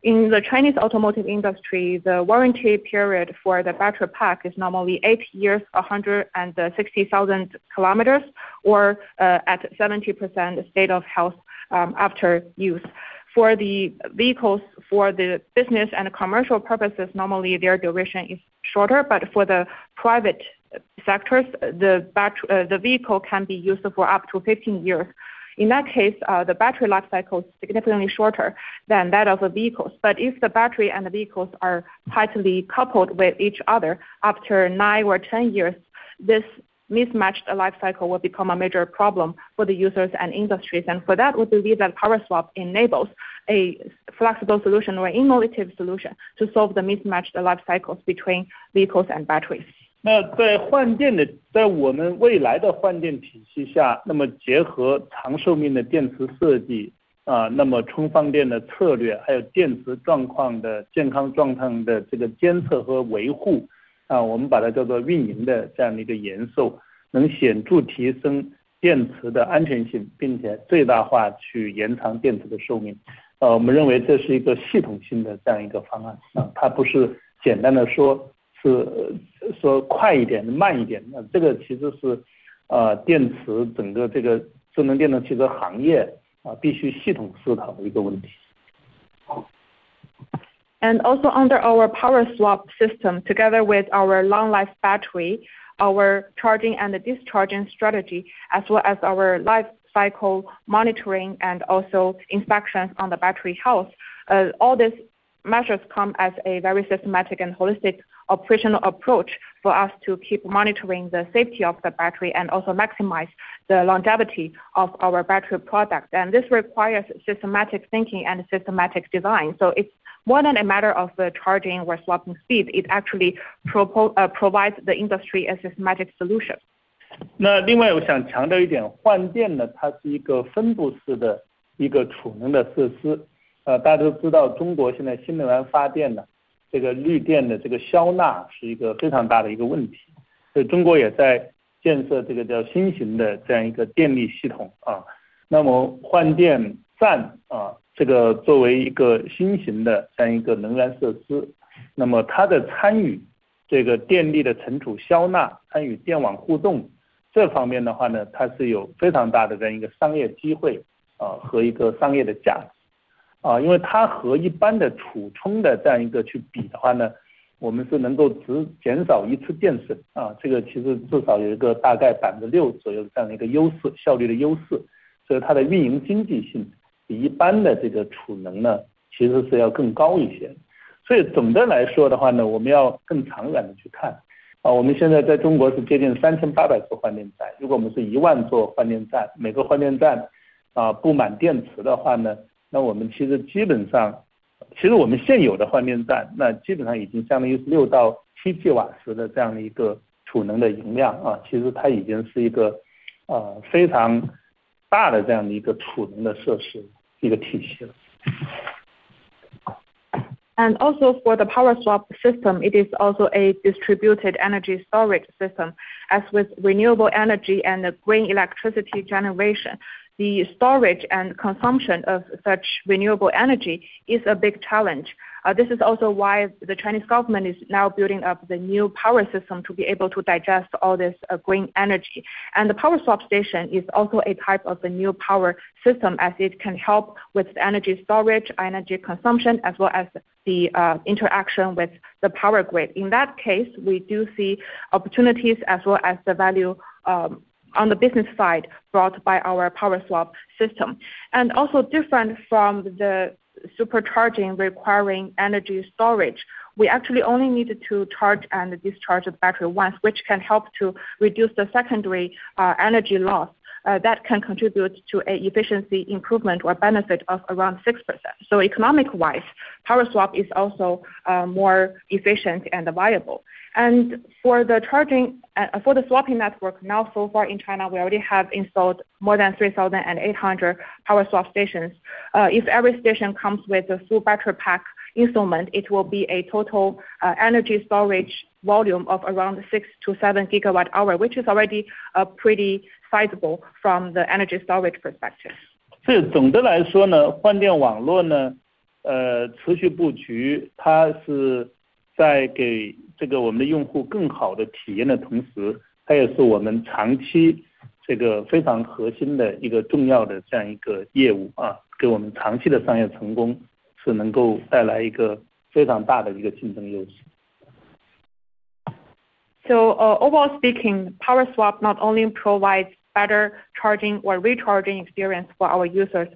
In the Chinese automotive industry, the warranty period for the battery pack is normally eight years, 100,000 kilometers or at 70% state of health after use. For the vehicles, for the business and commercial purposes, normally their duration is shorter, but for the private sectors, the vehicle can be used for up to 15 years. In that case, the battery life cycle is significantly shorter than that of the vehicles. If the battery and the vehicles are tightly coupled with each other after 9 or 10 years, this mismatched life cycle will become a major problem for the users and industries. For that we believe that Power Swap enables a flexible solution or innovative solution to solve the mismatched life cycles between vehicles and batteries. Also under our Power Swap system, together with our long life battery, our charging and discharging strategy as well as our life cycle monitoring and also inspections on the battery health. All these measures come as a very systematic and holistic operational approach for us to keep monitoring the safety of the battery and also maximize the longevity of our battery product. This requires systematic thinking and systematic design. It's more than a matter of the charging or swapping speed. It actually provides the industry a systematic solution. Also for the Power Swap system, it is also a distributed energy storage system. As with renewable energy and green electricity generation, the storage and consumption of such renewable energy is a big challenge. This is also why the Chinese government is now building up the new power system to be able to digest all this green energy. The Power Swap station is also a type of the new power system as it can help with energy storage, energy consumption as well as the interaction with the power grid. In that case, we do see opportunities as well as the value on the business side brought by our Power Swap system. Also3 different from the supercharging requiring energy storage, we actually only needed to charge and discharge the battery once, which can help to reduce the secondary energy loss that can contribute to an efficiency improvement or benefit of around 6%. Economic-wise, Power Swap is also more efficient and viable. For the swapping network, now so far in China, we already have installed more than 3,800 Power Swap stations. If every station comes with a full battery pack installation, it will be a total energy storage volume of around 6-7 gigawatt-hours, which is already pretty sizable from the energy storage perspective.
所以总的来说，换电网络持续布局，它是在给我们的用户更好的体验的同时，它也是我们长期非常核心的一个重要业务，给我们长期的商业成功能够带来一个非常大的竞争优势。
Overall speaking, Power Swap not only provides better charging or recharging experience for our users.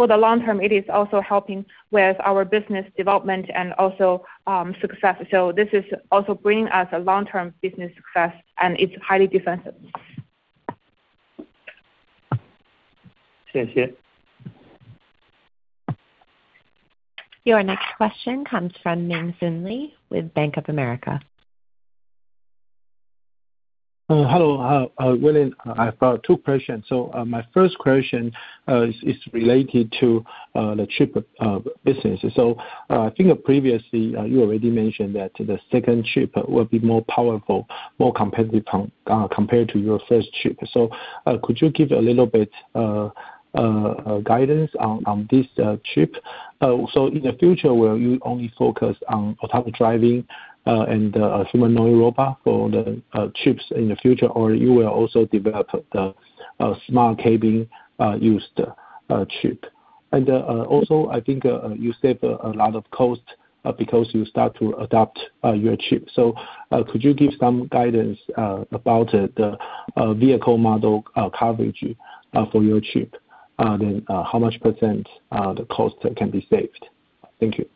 For the long term it is also helping with our business development and also, success. This is also bring us a long-term business success and it's highly defensive.
谢谢。
Your next question comes from Ming-Hsun Lee with Bank of America.
Hello, William, I've two questions. My first question is related to the chip business. I think previously you already mentioned that the second chip will be more powerful, more competitive compared to your first chip. Could you give a little bit guidance on this chip? In the future will you only focus on driving and humanoid robot for the chips in the future or you will also develop the smart cabin used chip? Also I think you save a lot of cost because you start to adopt your chip. Could you give some guidance about the vehicle model coverage for your chip? And how much % the cost can be saved? Thank you.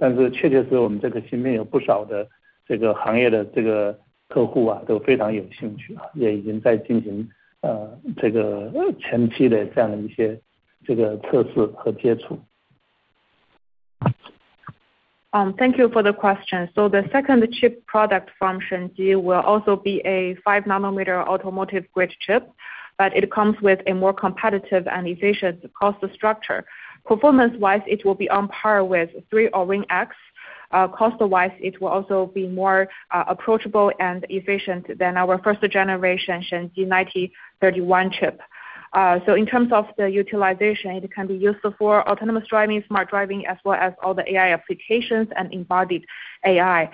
Thank you for the question. The second chip product from Shenji will also be a 5-nanometer automotive grade chip, but it comes with a more competitive and efficient cost structure. Performance-wise it will be on par with 3 Orin X. Cost-wise it will also be more approachable and efficient than our first generation Shenji NX9031 chip. In terms of the utilization, it can be used for autonomous driving, smart driving as well as all the AI applications and embodied AI.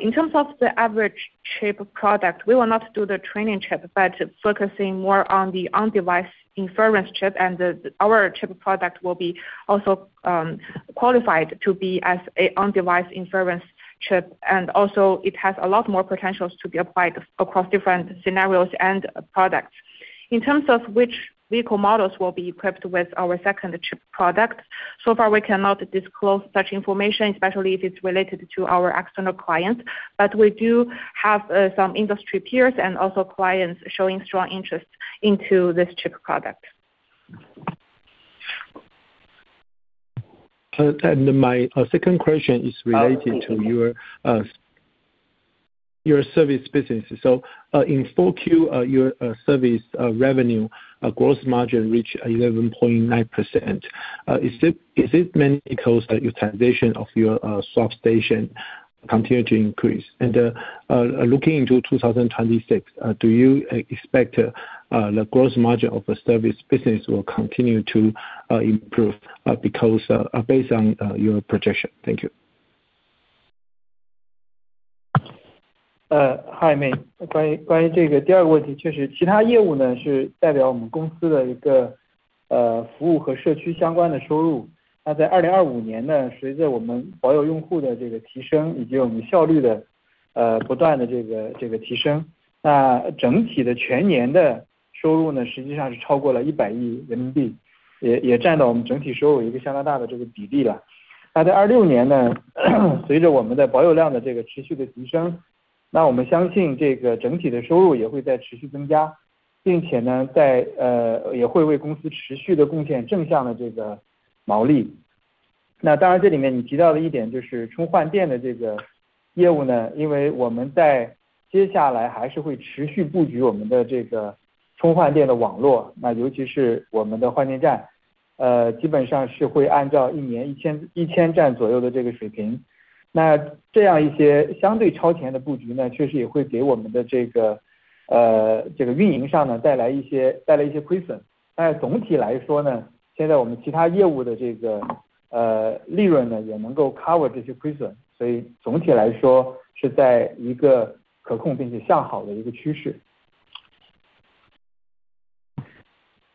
In terms of the average chip product, we will not do the training chip, but focusing more on the on-device inference chip and our chip product will be also qualified to be as a on-device inference chip. It has a lot more potentials to be applied across different scenarios and products. In terms of which vehicle models will be equipped with our second chip product, so far we cannot disclose such information, especially if it's related to our external clients. We do have some industry peers and also clients showing strong interest into this chip product.
My second question is related to your service business. In 4Q your service revenue gross margin reached 11.9%. Is it mainly because the utilization of your swap station continues to increase? Looking into 2026, do you expect the gross margin of the service business will continue to improve because based on your projection? Thank you.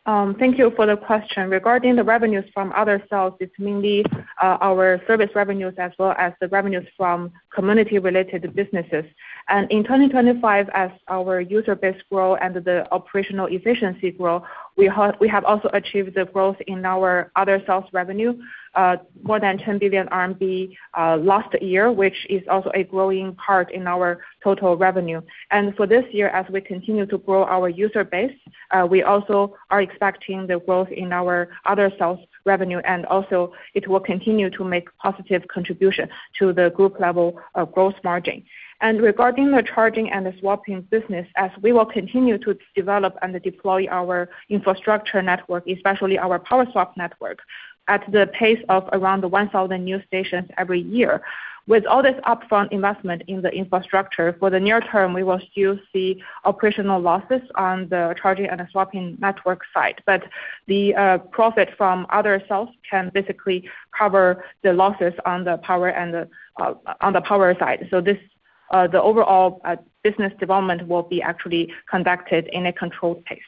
Thank you for the question. Regarding the revenues from other sales is mainly our service revenues as well as the revenues from community related businesses. In 2025 as our user base grow and the operational efficiency grow, we have also achieved the growth in our other sales revenue, more than 10 billion RMB last year, which is also a growing part in our total revenue. For this year, as we continue to grow our user base, we also are expecting the growth in our other sales revenue, and also it will continue to make positive contribution to the group level of gross margin. Regarding the charging and swapping business, as we will continue to develop and deploy our infrastructure network, especially our Power Swap network, at the pace of around 1,000 new stations every year. With all this upfront investment in the infrastructure, for the near term, we will still see operational losses on the charging and swapping network side. The profit from other sales can basically cover the losses on the Power and the on the Power side. The overall business development will be actually conducted in a controlled pace.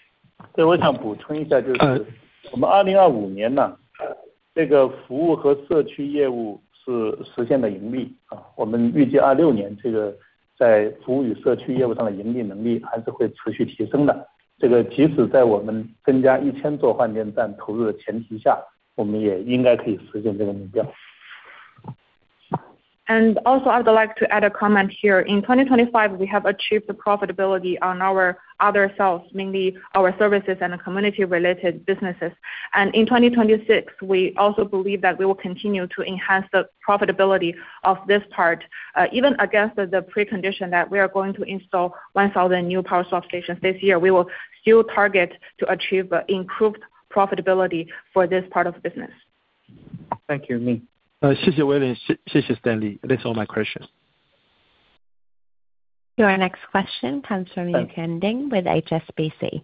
对，我也想补充一下，就是我们2025年呢，这个服务和社区业务是实现了盈利，我们预计2026年这个在服务与社区业务上的盈利能力还是会持续提升的。这个即使在我们增加一千座换电站投入的前提下，我们也应该可以实现这个目标。
Also I'd like to add a comment here. In 2025, we have achieved the profitability on our other sales, mainly our services and community related businesses. In 2026, we also believe that we will continue to enhance the profitability of this part, even against the precondition that we are going to install 1,000 new power stations this year. We will still target to achieve improved profitability for this part of the business.
Thank you, Ming-Hsun Lee.
Thank you William, thank you Stanley. That's all my question.
Your next question comes from Yuqian Ding with HSBC.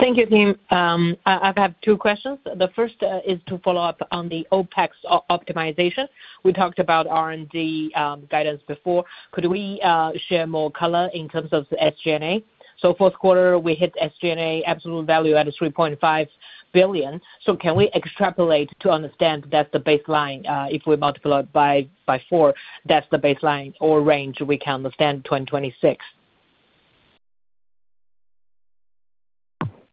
Thank you, team. I have two questions. The first is to follow up on the OPEX optimization. We talked about R&D guidance before. Could we share more color in terms of SG&A? Fourth quarter, we hit SG&A absolute value at 3.5 billion. Can we extrapolate to understand that's the baseline if we multiply it by four, that's the baseline or range we can understand 2026.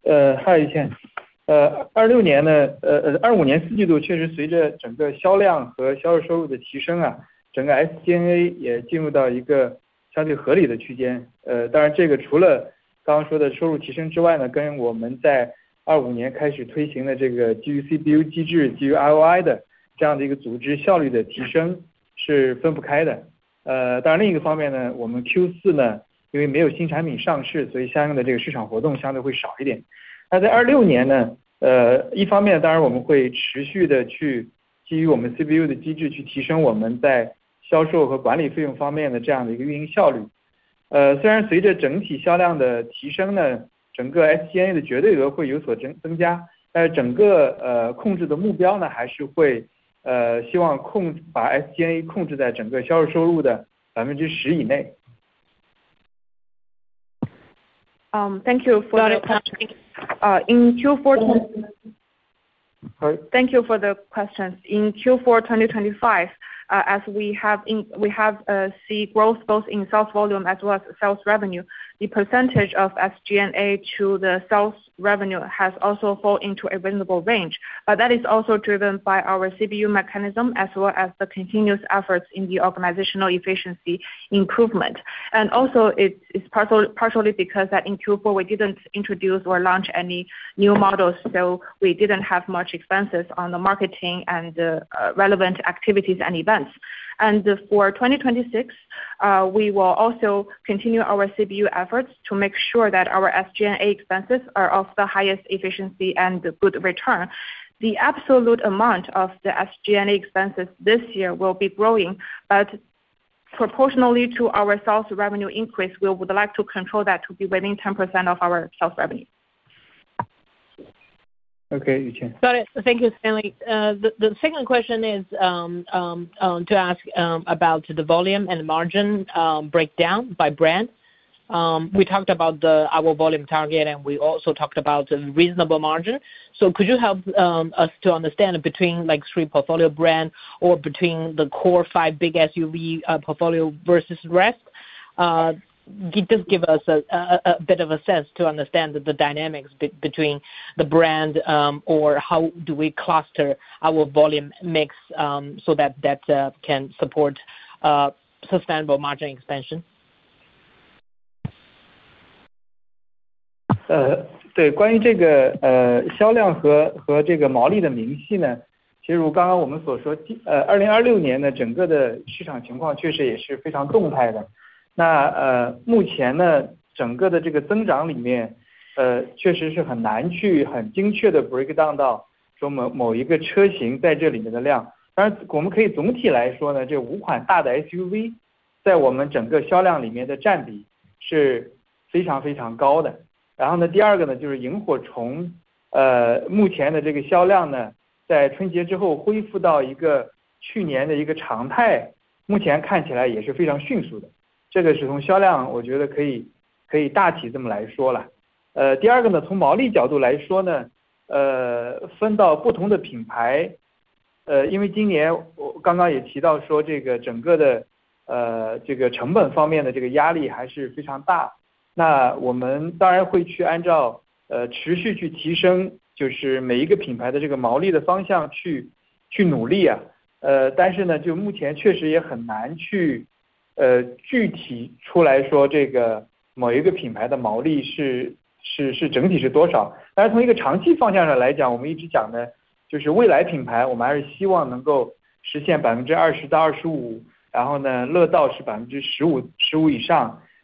Hi
Thank you for the question. In Q4 20 Sorry。Thank you for the question. In Q4 2025, we have seen growth both in sales volume as well as sales revenue, the percentage of SG&A to the sales revenue has also fall into a reasonable range, but that is also driven by our CBU mechanism as well as the continuous efforts in the organizational efficiency improvement. It's partially because in Q4 we didn't introduce or launch any new models, so we didn't have much expenses on the marketing and relevant activities and events. For 2026, we will also continue our CBU efforts to make sure that our SG&A expenses are of the highest efficiency and good return. The absolute amount of the SG&A expenses this year will be growing, but proportionally to our sales revenue increase, we would like to control that to be within 10% of our sales revenue.
Okay, Yuqian Ding.
Got it, thank you Stanley. The second question is to ask about the volume and margin breakdown by brand. We talked about our volume target, and we also talked about reasonable margin. Could you help us to understand between like three portfolio brand or between the core five big SUV portfolio versus rest? Just give us a bit of a sense to understand the dynamics between the brand, or how do we cluster our volume mix, so that that can support sustainable margin expansion.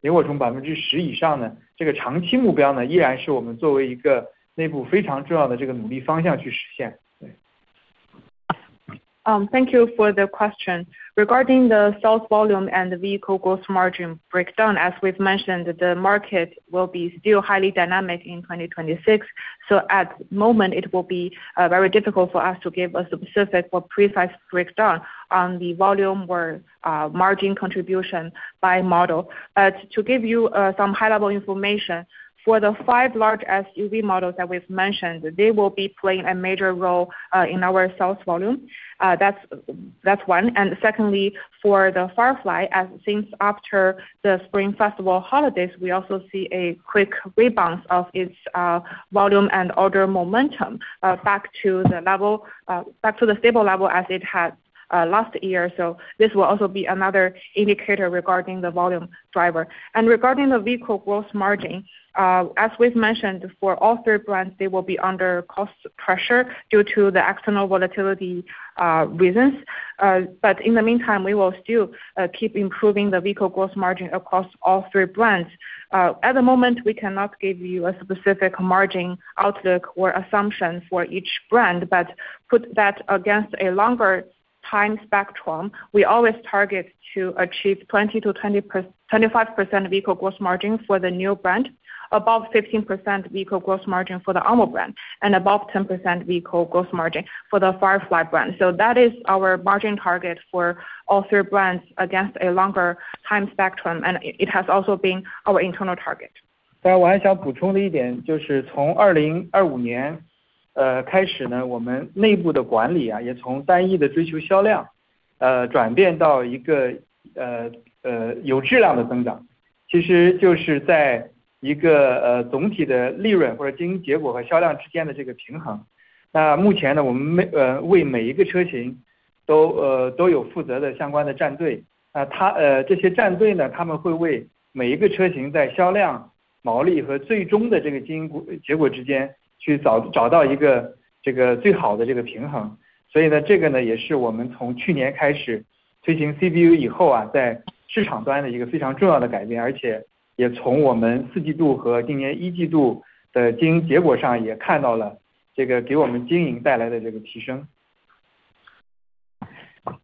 Thank you for the question. Regarding the sales volume and the vehicle gross margin breakdown, as we've mentioned, the market will be still highly dynamic in 2026. At the moment, it will be very difficult for us to give a specific or precise breakdown on the volume or margin contribution by model. To give you some high-level information, for the five large SUV models that we've mentioned, they will be playing a major role in our sales volume. That's one. Secondly, for the Firefly, since after the Spring Festival holidays, we also see a quick rebound of its volume and order momentum back to the level back to the stable level as it had last year. This will also be another indicator regarding the volume driver. Regarding the vehicle gross margin, as we've mentioned, for all three brands, they will be under cost pressure due to the external volatility reasons. But in the meantime, we will still keep improving the vehicle gross margin across all three brands. At the moment, we cannot give you a specific margin outlook or assumption for each brand, but put that against a longer time spectrum, we always target to achieve 20%-25% vehicle gross margin for the NIO brand, above 15% vehicle gross margin for the Onvo brand, and above 10% vehicle gross margin for the Firefly brand. That is our margin target for all three brands against a longer time spectrum, and it has also been our internal target.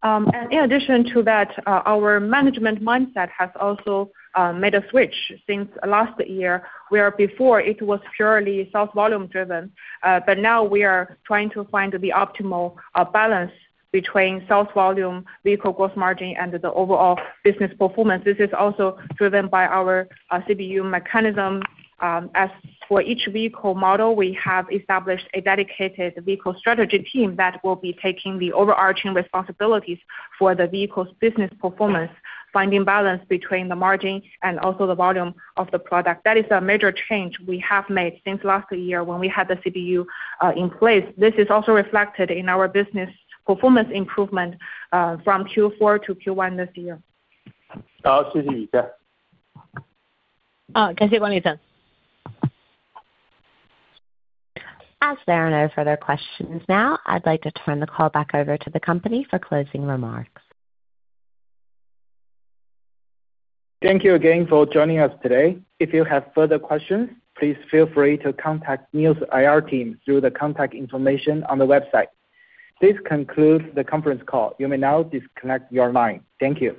In addition to that, our management mindset has also made a switch since last year, where before it was purely sales volume driven but now we are trying to find the optimal balance between sales volume, vehicle gross margin, and the overall business performance. This is also driven by our CBU mechanism. As for each vehicle model, we have established a dedicated vehicle strategy team that will be taking the overarching responsibilities for the vehicle's business performance, finding balance between the margin and also the volume of the product. That is a major change we have made since last year when we had the CBU in place. This is also reflected in our business performance improvement from Q4 to Q1 this year.
As there are no further questions now, I'd like to turn the call back over to the company for closing remarks.
Thank you again for joining us today. If you have further questions, please feel free to contact NIO's IR team through the contact information on the website. This concludes the conference call. You may now disconnect your line. Thank you.